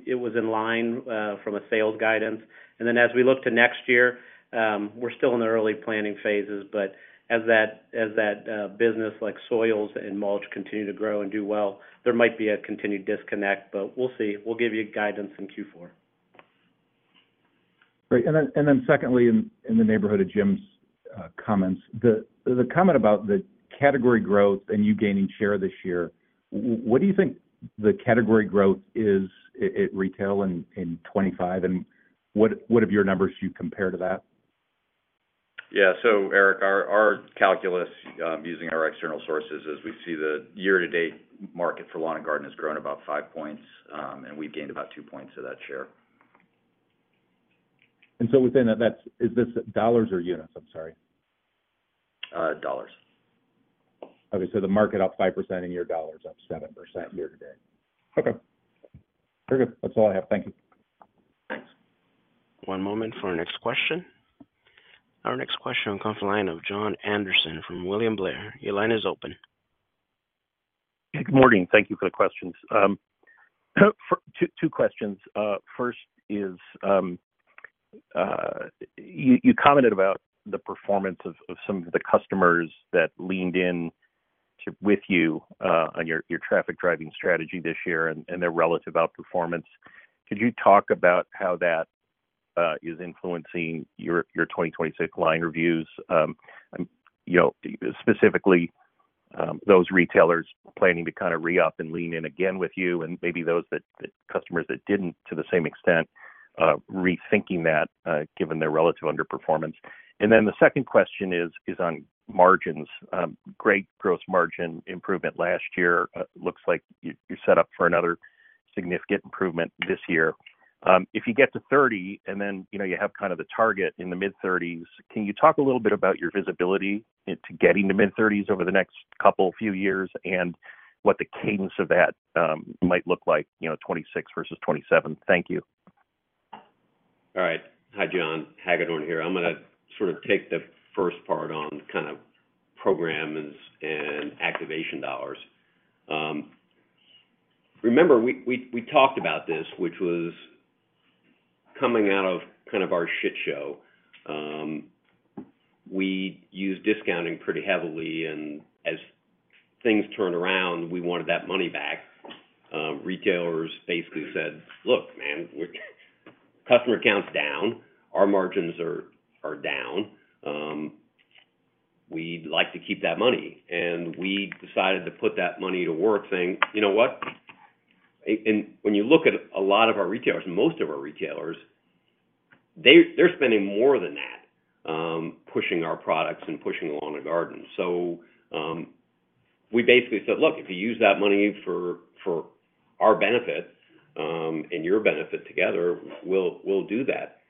it was in line from a sales guidance. As we look to next year, we're still in the early planning phases, but as that business like soils and mulch continue to grow and do well, there might be a continued disconnect, but we'll see. We'll give you guidance in Q4. Great. Secondly, in the neighborhood of Jim's comments, the comment about the category growth and you gaining share this year, what do you think the category growth is at retail in 2025? What have your numbers to compare to that? Yeah, so Eric, our calculus using our external sources is we see the year-to-date market for lawn and garden has grown about 5%, and we've gained about 2% of that share. Within that, is this dollars or units? I'm sorry. Dollars. Okay, the market up 5% and your dollars up 7% year to date. Okay. Very good. That's all I have. Thank you. Thanks. One moment for our next question. Our next question will come from the line of Jon Anderson from William Blair. Your line is open. Good morning. Thank you for the questions. Two questions. First is you commented about the performance of some of the customers that leaned in with you on your traffic driving strategy this year and their relative outperformance. Could you talk about how that is influencing your 2026 line reviews? Specifically, those retailers planning to kind of re-up and lean in again with you and maybe those customers that didn't to the same extent, rethinking that given their relative underperformance. The second question is on margins. Great gross margin improvement last year. It looks like you're set up for another significant improvement this year. If you get to 30% and then you have kind of the target in the mid-30%, can you talk a little bit about your visibility into getting to mid-30% over the next couple of few years and what the cadence of that might look like, you know, 2026 vs 2027? Thank you. All right. Hi, Jon. Jim Hagedorn here. I'm going to sort of take the first part on kind of programs and activation dollars. Remember, we talked about this, which was coming out of kind of our shit show. We use discounting pretty heavily, and as things turned around, we wanted that money back. Retailers basically said, "Look, man, customer count's down. Our margins are down. We'd like to keep that money." We decided to put that money to work saying, "You know what?" When you look at a lot of our retailers, most of our retailers, they're spending more than that pushing our products and pushing the lawn and garden. We basically said, "Look, if you use that money for our benefit and your benefit together, we'll do that."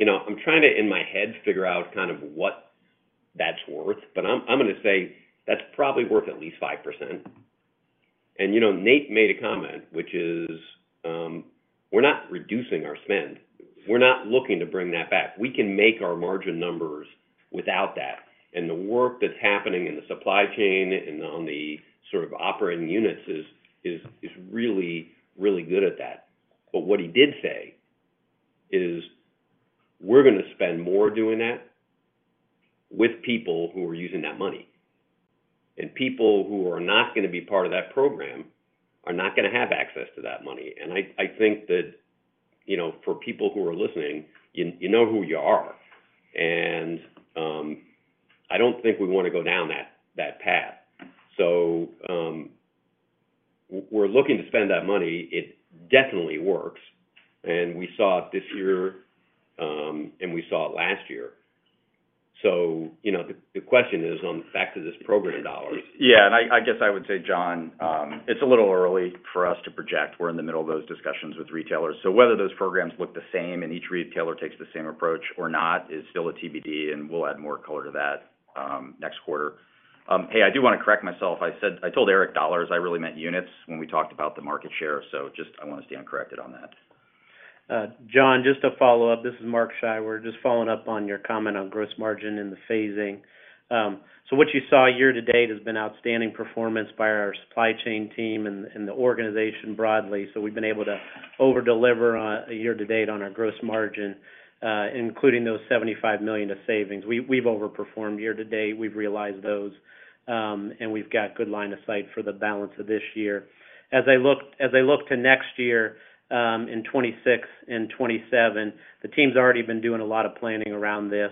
I'm trying to, in my head, figure out kind of what that's worth, but I'm going to say that's probably worth at least 5%. Nate made a comment, which is, "We're not reducing our spend. We're not looking to bring that back. We can make our margin numbers without that." The work that's happening in the supply chain and on the sort of operating units is really, really good at that. What he did say is, "We're going to spend more doing that with people who are using that money. People who are not going to be part of that program are not going to have access to that money." I think that, for people who are listening, you know who you are. I don't think we want to go down that path. We're looking to spend that money. It definitely works. We saw it this year, and we saw it last year. The question is on back to this program dollars. Yeah, I guess I would say, Jon, it's a little early for us to project. We're in the middle of those discussions with retailers. Whether those programs look the same and each retailer takes the same approach or not is still a TBD, and we'll add more color to that next quarter. I do want to correct myself. I said I told Eric dollars. I really meant units when we talked about the market share. I want to stay uncorrected on that. Jon, just to follow up, this is Mark Scheiwer. Just following up on your comment on gross margin in the phasing. What you saw year to date has been outstanding performance by our supply chain team and the organization broadly. We've been able to over-deliver year to date on our gross margin, including those $75 million of savings. We've overperformed year to date. We've realized those, and we've got a good line of sight for the balance of this year. As I look to next year in 2026 and 2027, the team's already been doing a lot of planning around this.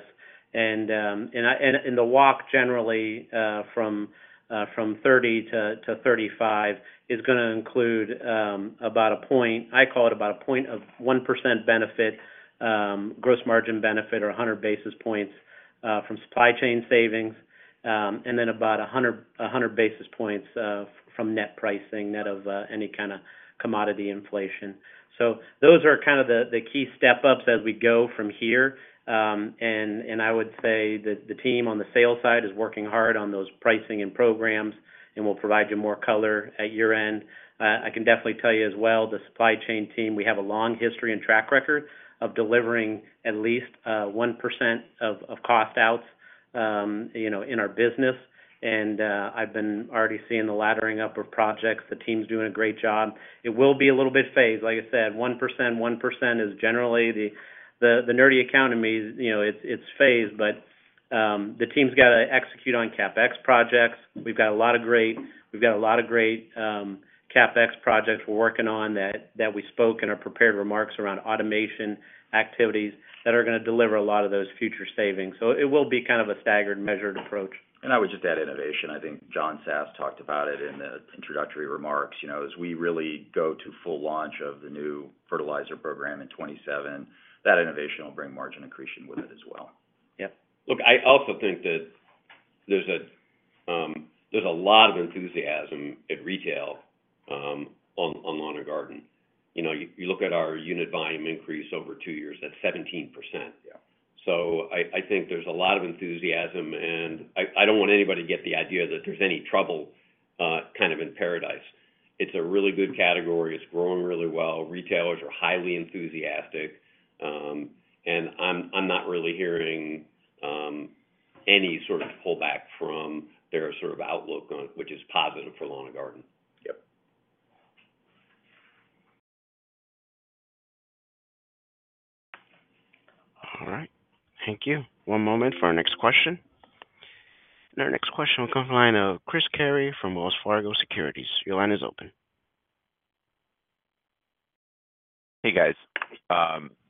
The walk generally from 30%-35% is going to include about a point, I call it about a point of 1% benefit, gross margin benefit, or 100 basis points from supply chain savings, and then about 100 basis points from net pricing, net of any kind of commodity inflation. Those are kind of the key step-ups as we go from here. I would say that the team on the sales side is working hard on those pricing and programs, and we'll provide you more color at year-end. I can definitely tell you as well, the supply chain team, we have a long history and track record of delivering at least 1% of cost outs in our business. I've already seen the laddering up of projects. The team's doing a great job. It will be a little bit phased. Like I said, 1%, 1% is generally the nerdy account of me. You know, it's phased, but the team's got to execute on CapEx projects. We've got a lot of great CapEx projects we're working on that we spoke in our prepared remarks around automation activities that are going to deliver a lot of those future savings. It will be kind of a staggered measured approach. I would just add innovation. I think John Sass talked about it in the introductory remarks. You know, as we really go to full launch of the new fertilizer program in 2027, that innovation will bring margin increasing with it as well. Yeah. Look, I also think that there's a lot of enthusiasm at retail on lawn and garden. You know, you look at our unit volume increase over two years. That's 17%. I think there's a lot of enthusiasm, and I don't want anybody to get the idea that there's any trouble kind of in paradise. It's a really good category. It's growing really well. Retailers are highly enthusiastic, and I'm not really hearing any sort of pullback from their sort of outlook on it, which is positive for lawn and garden. Yep. All right. Thank you. One moment for our next question. Our next question will come from the line of Christ Carey from Wells Fargo Securities. Your line is open. Hey, guys.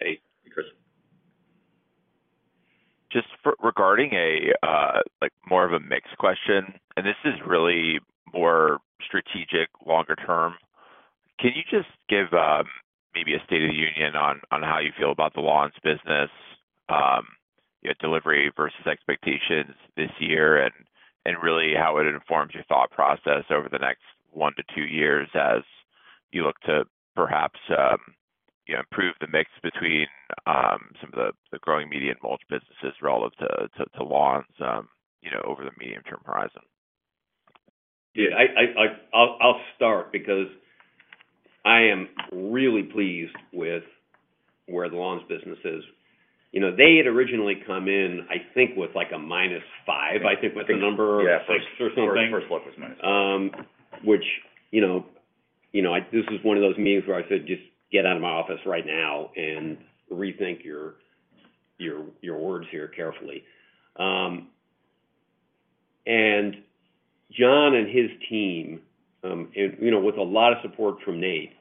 Hey, Chris. Just regarding a more of a mixed question, and this is really more strategic, longer term. Can you just give maybe a State of the Union on how you feel about the lawns business, you know, delivery vs expectations this year, and really how it informs your thought process over the next one to two years as you look to perhaps improve the mix between some of the growing media and mulch businesses relative to lawns, you know, over the medium-term horizon? Yeah, I'll start because I am really pleased with where the lawns business is. They had originally come in, I think, with like a -5, I think, with the number of clicks or something. Yeah, first look was -5. Which, you know, this is one of those meetings where I said, "Just get out of my office right now and rethink your words here carefully." John and his team, with a lot of support from Nate,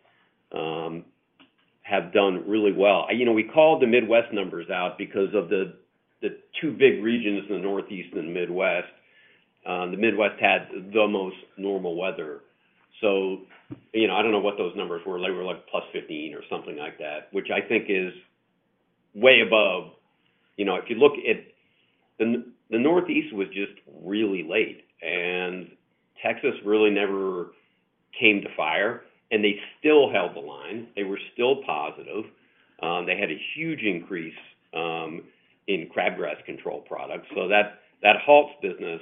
have done really well. We called the Midwest numbers out because of the two big regions in the Northeast and Midwest. The Midwest had the most normal weather. I don't know what those numbers were. They were like +15 or something like that, which I think is way above. If you look at the Northeast, it was just really late, and Texas really never came to fire, and they still held the line. They were still positive. They had a huge increase in crabgrass control products. That halt business,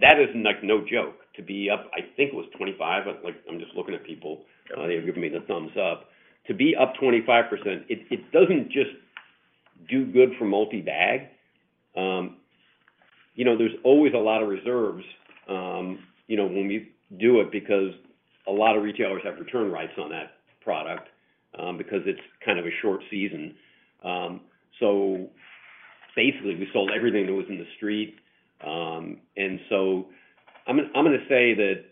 that is no joke. To be up, I think it was 25%. I'm just looking at people. They've given me the thumbs up. To be up 25%, it doesn't just do good for multi-bag. There's always a lot of reserves when we do it because a lot of retailers have return rights on that product because it's kind of a short season. Basically, we sold everything that was in the street. I'm going to say that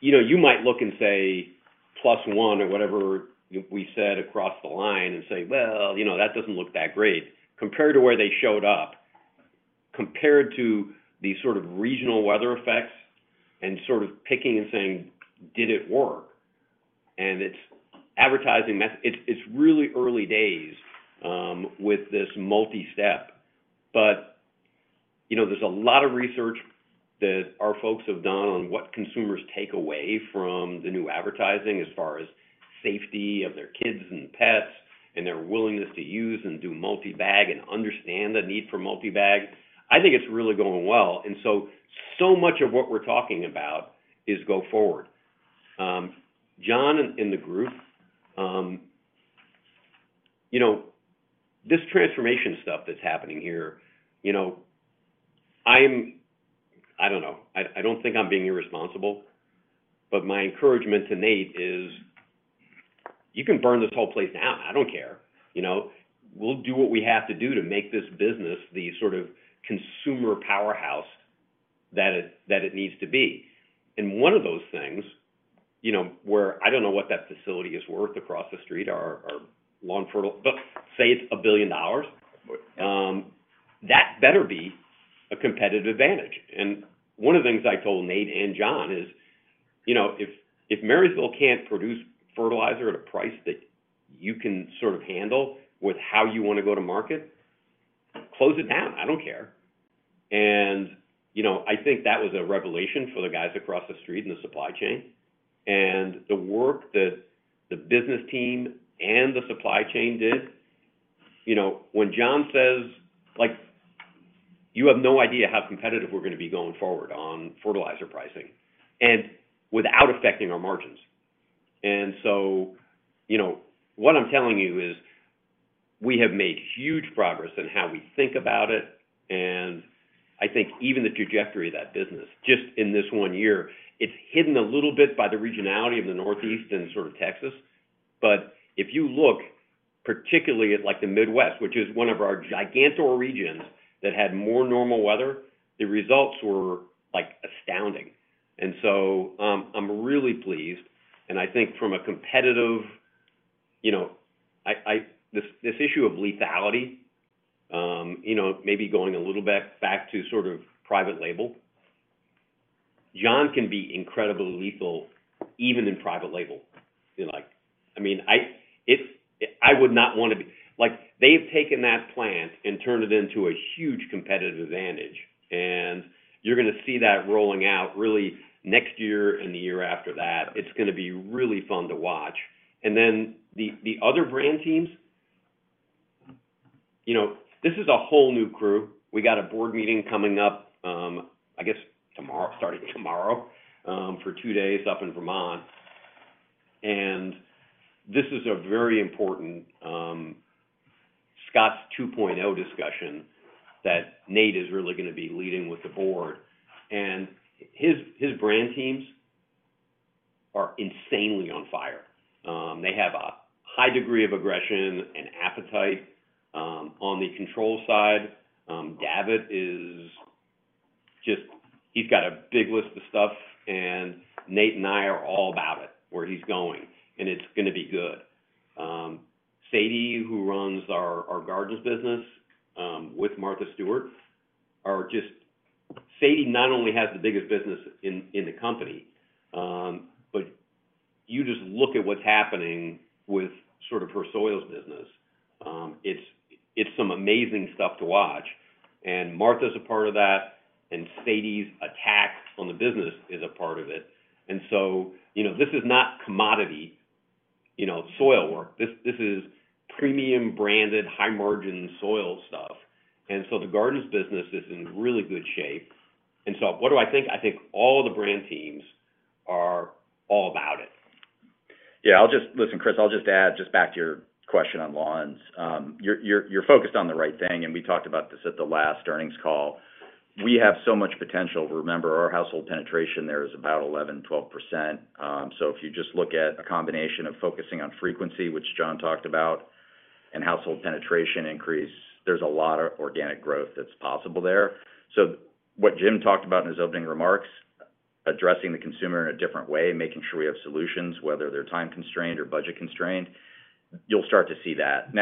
you might look and say plus one or whatever we said across the line and say, "Well, that doesn't look that great." Compared to where they showed up, compared to the sort of regional weather effects and sort of picking and saying, "Did it work?" It's advertising mess. It's really early days with this multi-step. There's a lot of research that our folks have done on what consumers take away from the new advertising as far as safety of their kids and pets and their willingness to use and do multi-bag and understand the need for multi-bag. I think it's really going well. So much of what we're talking about is go forward. John and the group, this transformation stuff that's happening here, I don't know. I don't think I'm being irresponsible, but my encouragement to Nate is, "You can burn this whole place down. I don't care. We'll do what we have to do to make this business the sort of consumer powerhouse that it needs to be." One of those things, where I don't know what that facility is worth across the street, our lawn fertilizer, but say it's $1 billion, that better be a competitive advantage. One of the things I told Nate and John is, you know, if Marysville can't produce fertilizer at a price that you can sort of handle with how you want to go to market, close it down. I don't care. I think that was a revelation for the guys across the street in the supply chain. The work that the business team and the supply chain did, you know, when John says, like, "You have no idea how competitive we're going to be going forward on fertilizer pricing and without affecting our margins." What I'm telling you is we have made huge progress in how we think about it. I think even the trajectory of that business, just in this one year, it's hidden a little bit by the regionality of the Northeast and sort of Texas. If you look particularly at the Midwest, which is one of our gigantor regions that had more normal weather, the results were astounding. I'm really pleased. I think from a competitive, you know, this issue of lethality, maybe going a little bit back to sort of private label, John can be incredibly lethal even in private label. I mean, I would not want to be, like, they've taken that plant and turned it into a huge competitive advantage. You're going to see that rolling out really next year and the year after that. It's going to be really fun to watch. The other brand teams, you know, this is a whole new crew. We got a board meeting coming up, I guess, starting tomorrow for two days up in Vermont. This is a very important Scotts 2.0 discussion that Nate is really going to be leading with the board. His brand teams are insanely on fire. They have a high degree of aggression and appetite on the control side. Dave is just, he's got a big list of stuff, and Nate and I are all about it, where he's going, and it's going to be good. Sadie, who runs our gardens business with Martha Stewart, Sadie not only has the biggest business in the company, but you just look at what's happening with sort of her soils business. It's some amazing stuff to watch. Martha's a part of that, and Sadie's attack on the business is a part of it. This is not commodity, you know, soil work. This is premium branded high-margin soil stuff. The gardens business is in really good shape. What do I think? I think all the brand teams are all about it. Yeah, Chris, I'll just add, back to your question on lawns, you're focused on the right thing. We talked about this at the last earnings call. We have so much potential. Remember, our household penetration there is about 11%-12%. If you just look at a combination of focusing on frequency, which John talked about, and household penetration increase, there's a lot of organic growth that's possible there. What Jim talked about in his opening remarks, addressing the consumer in a different way, making sure we have solutions, whether they're time constrained or budget constrained, you'll start to see that.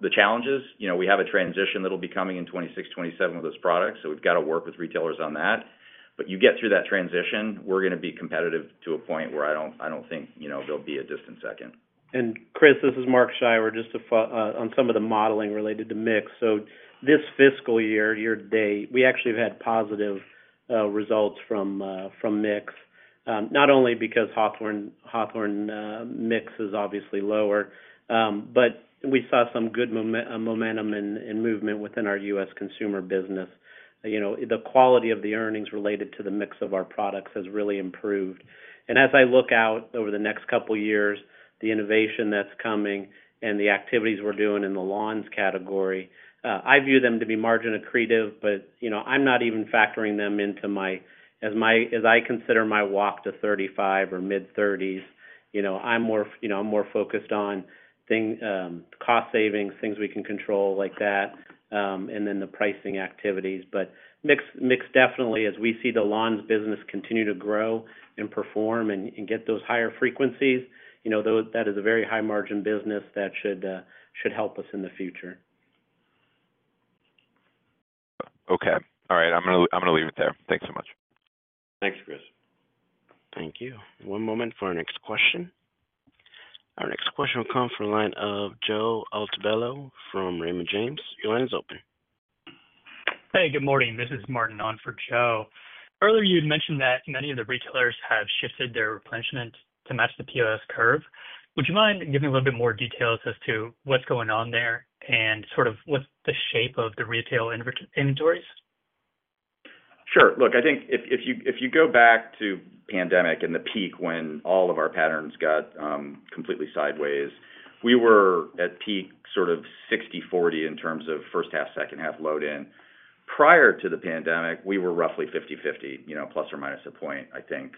The challenges, you know, we have a transition that'll be coming in 2026, 2027 with this product. We've got to work with retailers on that. You get through that transition, we're going to be competitive to a point where I don't think, you know, there'll be a distant second. Chris, this is Mark Scheiwer, just on some of the modeling related to mix. This fiscal year, year to date, we actually have had positive results from mix, not only because Hawthorne mix is obviously lower, but we saw some good momentum and movement within our U.S. consumer business. The quality of the earnings related to the mix of our products has really improved. As I look out over the next couple of years, the innovation that's coming and the activities we're doing in the lawns category, I view them to be margin accretive. I'm not even factoring them into my, as I consider my walk to 35 or mid-30s. I'm more focused on cost savings, things we can control like that, and then the pricing activities. Mix definitely, as we see the lawns business continue to grow and perform and get those higher frequencies, that is a very high margin business that should help us in the future. Okay. All right. I'm going to leave it there. Thanks so much. Thanks, Chris. Thank you. One moment for our next question. Our next question will come from the line of Joe Altobello from Raymond James. Your line is open. Hey, good morning. This is Martin on for Joe. Earlier, you had mentioned that many of the retailers have shifted their replenishment to match the POS curve. Would you mind giving a little bit more details as to what's going on there and what's the shape of the retail inventories? Sure. Look, I think if you go back to the pandemic and the peak when all of our patterns got completely sideways, we were at peak sort of 60/40 in terms of first half, second half load-in. Prior to the pandemic, we were roughly 50/50, you know, ± a point, I think,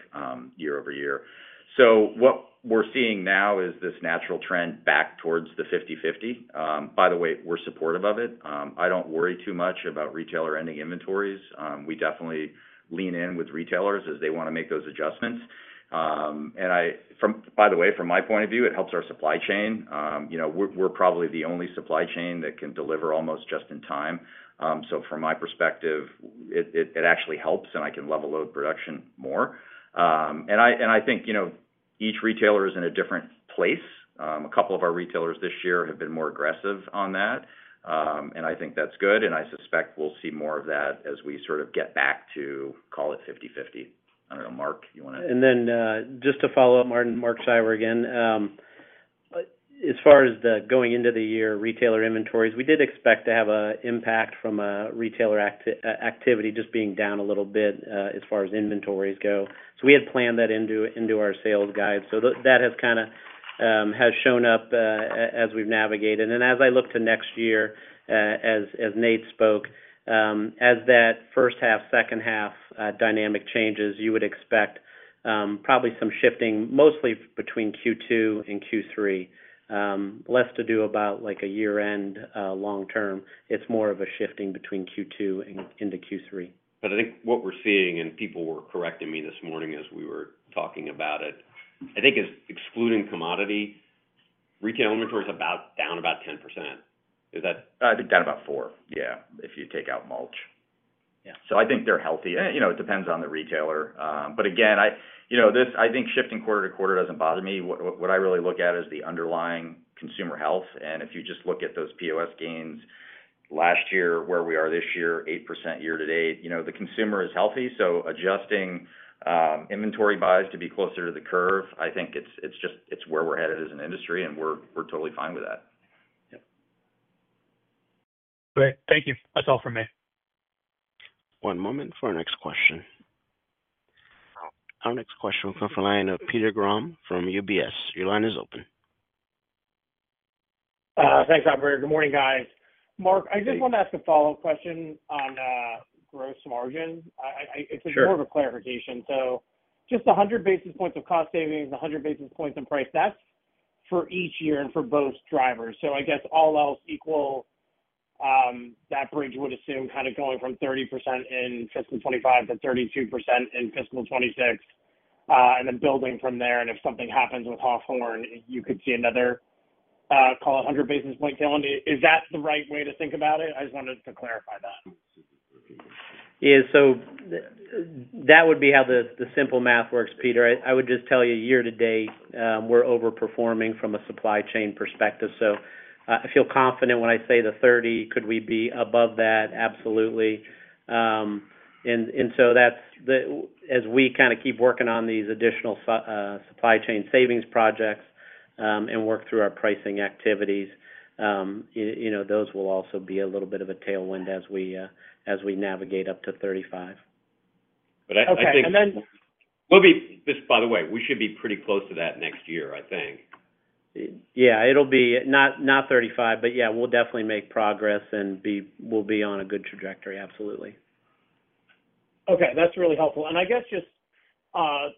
year-over-year. What we're seeing now is this natural trend back towards the 50/50. By the way, we're supportive of it. I don't worry too much about retailer-ending inventories. We definitely lean in with retailers as they want to make those adjustments. By the way, from my point of view, it helps our supply chain. We're probably the only supply chain that can deliver almost just in time. From my perspective, it actually helps, and I can level load production more. I think each retailer is in a different place. A couple of our retailers this year have been more aggressive on that. I think that's good. I suspect we'll see more of that as we sort of get back to, call it, 50/50. I don't know, Mark, you want to? To follow up, Martin, Mark Scheiwer again, as far as going into the year retailer inventories, we did expect to have an impact from retailer activity just being down a little bit as far as inventories go. We had planned that into our sales guide. That has kind of shown up as we've navigated. As I look to next year, as Nate spoke, as that first half, second half dynamic changes, you would expect probably some shifting mostly between Q2 and Q3, less to do about a year-end long term. It's more of a shifting between Q2 and into Q3. I think what we're seeing, and people were correcting me this morning as we were talking about it, is excluding commodity, retail inventory is down about 10%. Is that? I think down about four, yeah, if you take out mulch. I think they're healthy. You know, it depends on the retailer. Again, this, I think, shifting quarter to quarter doesn't bother me. What I really look at is the underlying consumer health. If you just look at those POS gains last year, where we are this year, 8% year to date, you know, the consumer is healthy. Adjusting inventory buys to be closer to the curve, I think it's just where we're headed as an industry, and we're totally fine with that. Great. Thank you. That's all from me. One moment for our next question. Our next question will come from the line of Peter Grom from UBS. Your line is open. Thanks, [Victor]. Good morning, guys. Mark, I just wanted to ask a follow-up question on gross margins. It's more of a clarification. Just 100 basis points of cost savings, 100 basis points of price, that's for each year and for both drivers. I guess all else equal, that bridge would assume kind of going from 30% in fiscal 2025 to 32% in fiscal 2026, and then building from there. If something happens with Hawthorne, you could see another, call it, 100 basis point tailwind. Is that the right way to think about it? I just wanted to clarify that. Yeah, that would be how the simple math works, Peter. I would just tell you year to date, we're overperforming from a supply chain perspective. I feel confident when I say the 30, could we be above that? Absolutely. As we kind of keep working on these additional supply chain savings projects and work through our pricing activities, those will also be a little bit of a tailwind as we navigate up to 35. We should be pretty close to that next year, I think. Yeah, it'll be not $35, but yeah, we'll definitely make progress, and we'll be on a good trajectory, absolutely. Okay, that's really helpful. I guess just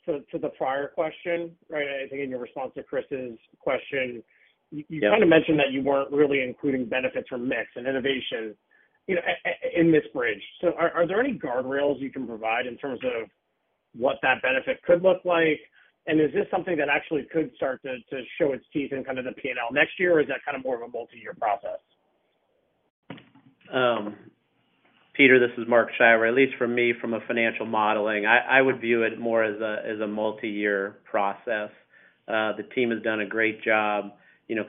to the prior question, right, I think in your response to Chris's question, you kind of mentioned that you weren't really including benefits from mix and innovation, you know, in this bridge. Are there any guardrails you can provide in terms of what that benefit could look like? Is this something that actually could start to show its teeth in kind of the P&L next year, or is that kind of more of a multi-year process? Peter, this is Mark Scheiwer, at least for me, from a financial modeling, I would view it more as a multi-year process. The team has done a great job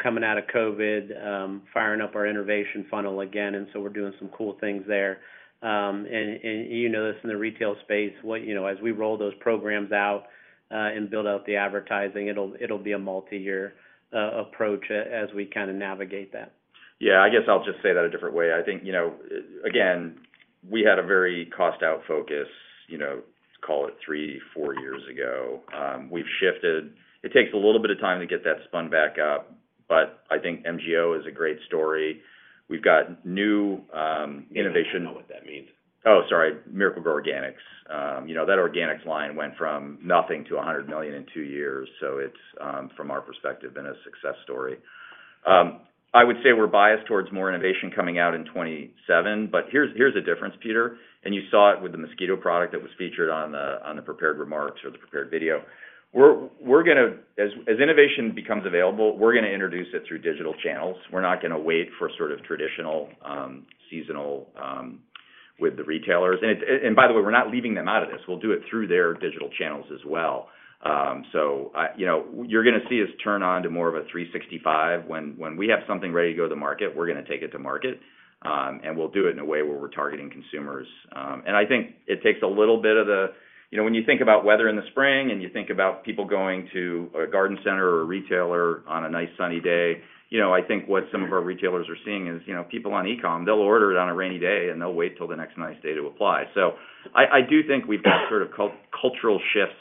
coming out of COVID, firing up our innovation funnel again. We're doing some cool things there. You know this in the retail space, as we roll those programs out and build out the advertising, it'll be a multi-year approach as we kind of navigate that. I guess I'll just say that a different way. I think, you know, we had a very cost-out focus, call it three, four years ago. We've shifted. It takes a little bit of time to get that spun back up, but I think MGO is a great story. We've got new innovation. I don't know what that means. Oh, sorry, Miracle-Gro Organics. You know, that organics line went from nothing to $100 million in two years. From our perspective, it's been a success story. I would say we're biased towards more innovation coming out in 2027, but here's a difference, Peter, and you saw it with the mosquito product that was featured on the prepared remarks or the prepared video. We're going to, as innovation becomes available, introduce it through digital channels. We're not going to wait for traditional seasonal with the retailers. By the way, we're not leaving them out of this. We'll do it through their digital channels as well. You're going to see us turn on to more of a 365. When we have something ready to go to the market, we're going to take it to market, and we'll do it in a way where we're targeting consumers. I think it takes a little bit of the, you know, when you think about weather in the spring and you think about people going to a garden center or a retailer on a nice sunny day, I think what some of our retailers are seeing is people on e-commerce, they'll order it on a rainy day and they'll wait till the next nice day to apply. I do think we've got sort of cultural shifts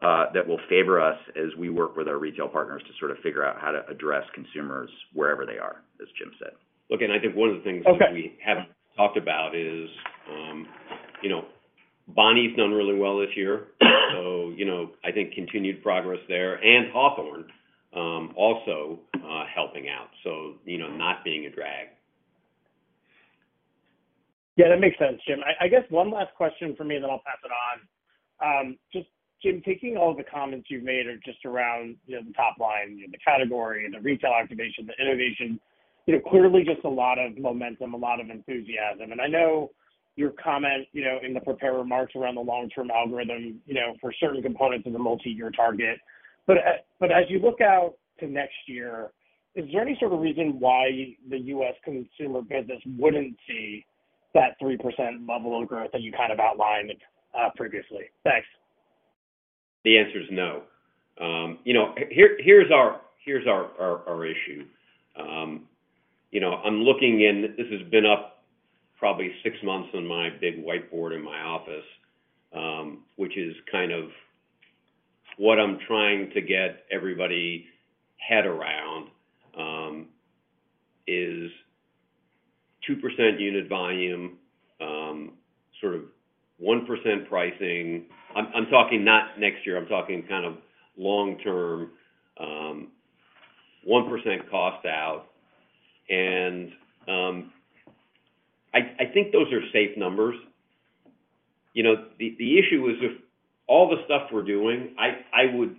that will favor us as we work with our retail partners to figure out how to address consumers wherever they are, as Jim said. Okay, I think one of the things that we haven't talked about is, you know, Bonnie has done really well this year. I think continued progress there and Hawthorne also helping out, not being a drag. Yeah, that makes sense, Jim. I guess one last question for me, then I'll pass it on. Thanks, Jim, taking all the comments you've made are just around the top line, the category, the retail activation, the innovation, clearly just a lot of momentum, a lot of enthusiasm. I know your comment in the prepared remarks around the long-term algorithm for certain components of the multi-year target. As you look out to next year, is there any sort of reason why the U.S. consumer business wouldn't see that 3% level of growth that you kind of outlined previously? Thanks. The answer is no. Here's our issue. I'm looking, and this has been up probably six months on my big whiteboard in my office, which is kind of what I'm trying to get everybody's head around, is 2% unit volume, sort of 1% pricing. I'm talking not next year. I'm talking kind of long-term, 1% cost out. I think those are safe numbers. The issue is if all the stuff we're doing,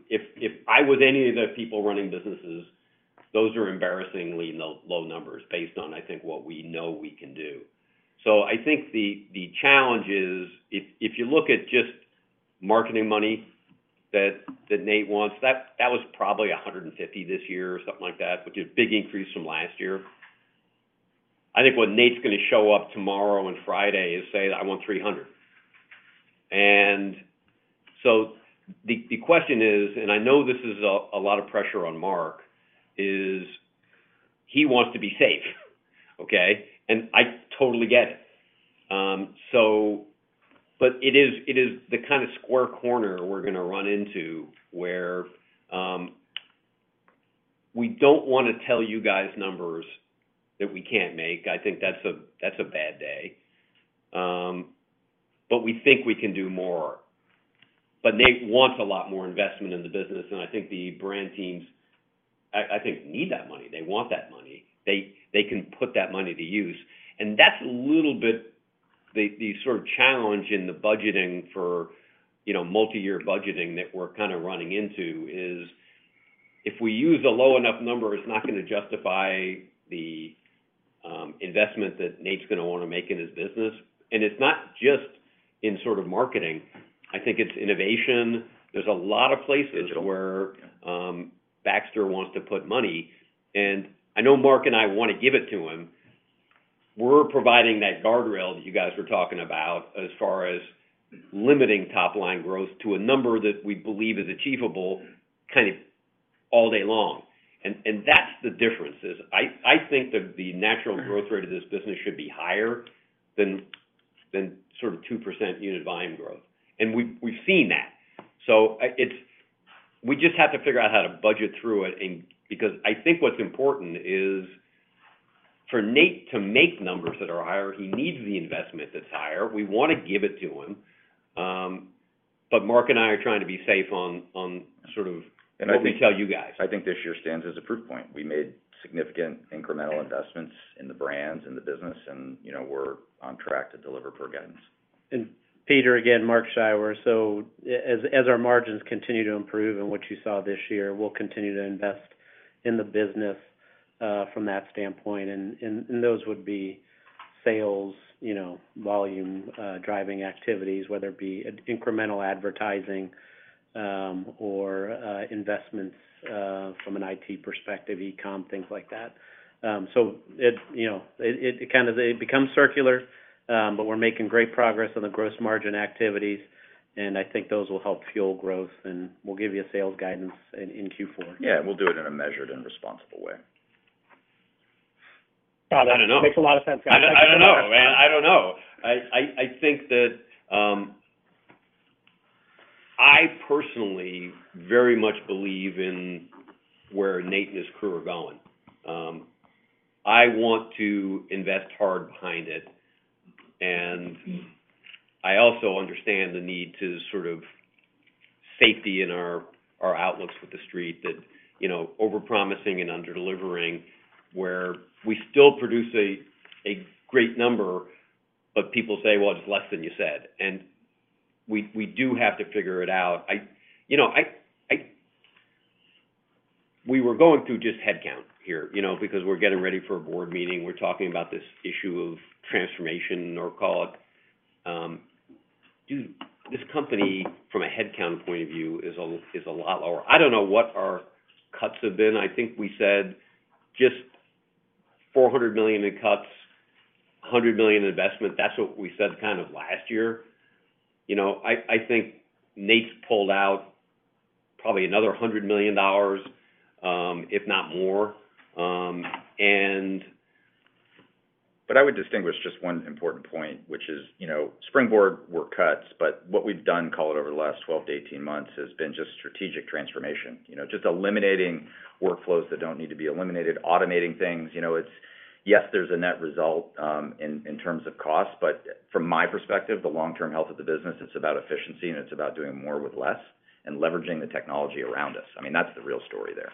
if I was any of the people running businesses, those are embarrassingly low numbers based on what we know we can do. I think the challenge is if you look at just marketing money that Nate wants, that was probably $150 million this year or something like that, which is a big increase from last year. I think what Nate is going to show up tomorrow and Friday is say, "I want $300 million." The question is, and I know this is a lot of pressure on Mark, is he wants to be safe, okay? I totally get it. It is the kind of square corner we're going to run into where we don't want to tell you guys numbers that we can't make. I think that's a bad day. We think we can do more. Nate wants a lot more investment in the business. I think the brand teams need that money. They want that money. They can put that money to use. That's a little bit the sort of challenge in the budgeting for multi-year budgeting that we're kind of running into. If we use a low enough number, it's not going to justify the investment that Nate is going to want to make in his business. It's not just in marketing. I think it's innovation. There's a lot of places. For sure Nate Baxter wants to put money, and I know Mark and I want to give it to him. We're providing that guardrail that you guys were talking about as far as limiting top-line growth to a number that we believe is achievable all day long. That's the difference. I think that the natural growth rate of this business should be higher than 2% unit volume growth, and we've seen that. We just have to figure out how to budget through it, because I think what's important is for Nate to make numbers that are higher, he needs the investment that's higher. We want to give it to him, but Mark and I are trying to be safe on what we tell you guys. I think this year stands as a proof point. We made significant incremental investments in the brands, in the business, and, you know, we're on track to deliver per guidance. Peter, again, Mark Scheiwer. As our margins continue to improve and what you saw this year, we'll continue to invest in the business from that standpoint. Those would be sales, you know, volume-driving activities, whether it be incremental advertising or investments from an IT perspective, e-commerce, things like that. It kind of becomes circular. We're making great progress on the gross margin activities, and I think those will help fuel growth. We'll give you a sales guidance in Q4. We'll do it in a measured and responsible way. I don't know. That makes a lot of sense, guys. I don't know, man. I don't know. I think that I personally very much believe in where Nate and his crew are going. I want to invest hard behind it. I also understand the need to sort of safety in our outlooks with the street that, you know, overpromising and under-delivering where we still produce a great number, but people say, "Well, it's less than you said." We do have to figure it out. You know, we were going through just headcount here because we're getting ready for a board meeting. We're talking about this issue of transformation, or call it, dude, this company, from a headcount point of view, is a lot lower. I don't know what our cuts have been. I think we said just $400 million in cuts, $100 million in investment. That's what we said kind of last year. I think Nate's pulled out probably another $100 million, if not more. I would distinguish just one important point, which is, you know, springboard were cuts, but what we've done, call it, over the last 12months-18 months has been just strategic transformation, you know, just eliminating workflows that don't need to be eliminated, automating things. Yes, there's a net result, in terms of cost. From my perspective, the long-term health of the business, it's about efficiency, and it's about doing more with less and leveraging the technology around us. I mean, that's the real story there.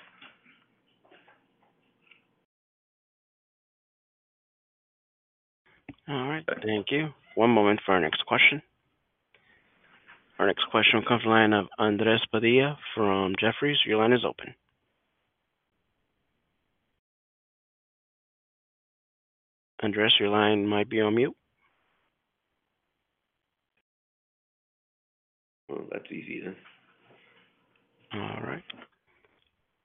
All right. Thank you. One moment for our next question. Our next question will come from the line of Andres Padilla from Jefferies. Your line is open. Andres, your line might be on mute. Oh, that's easy then. All right.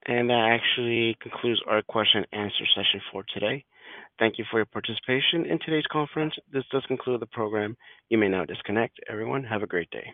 That actually concludes our question and answer session for today. Thank you for your participation in today's conference. This does conclude the program. You may now disconnect. Everyone, have a great day.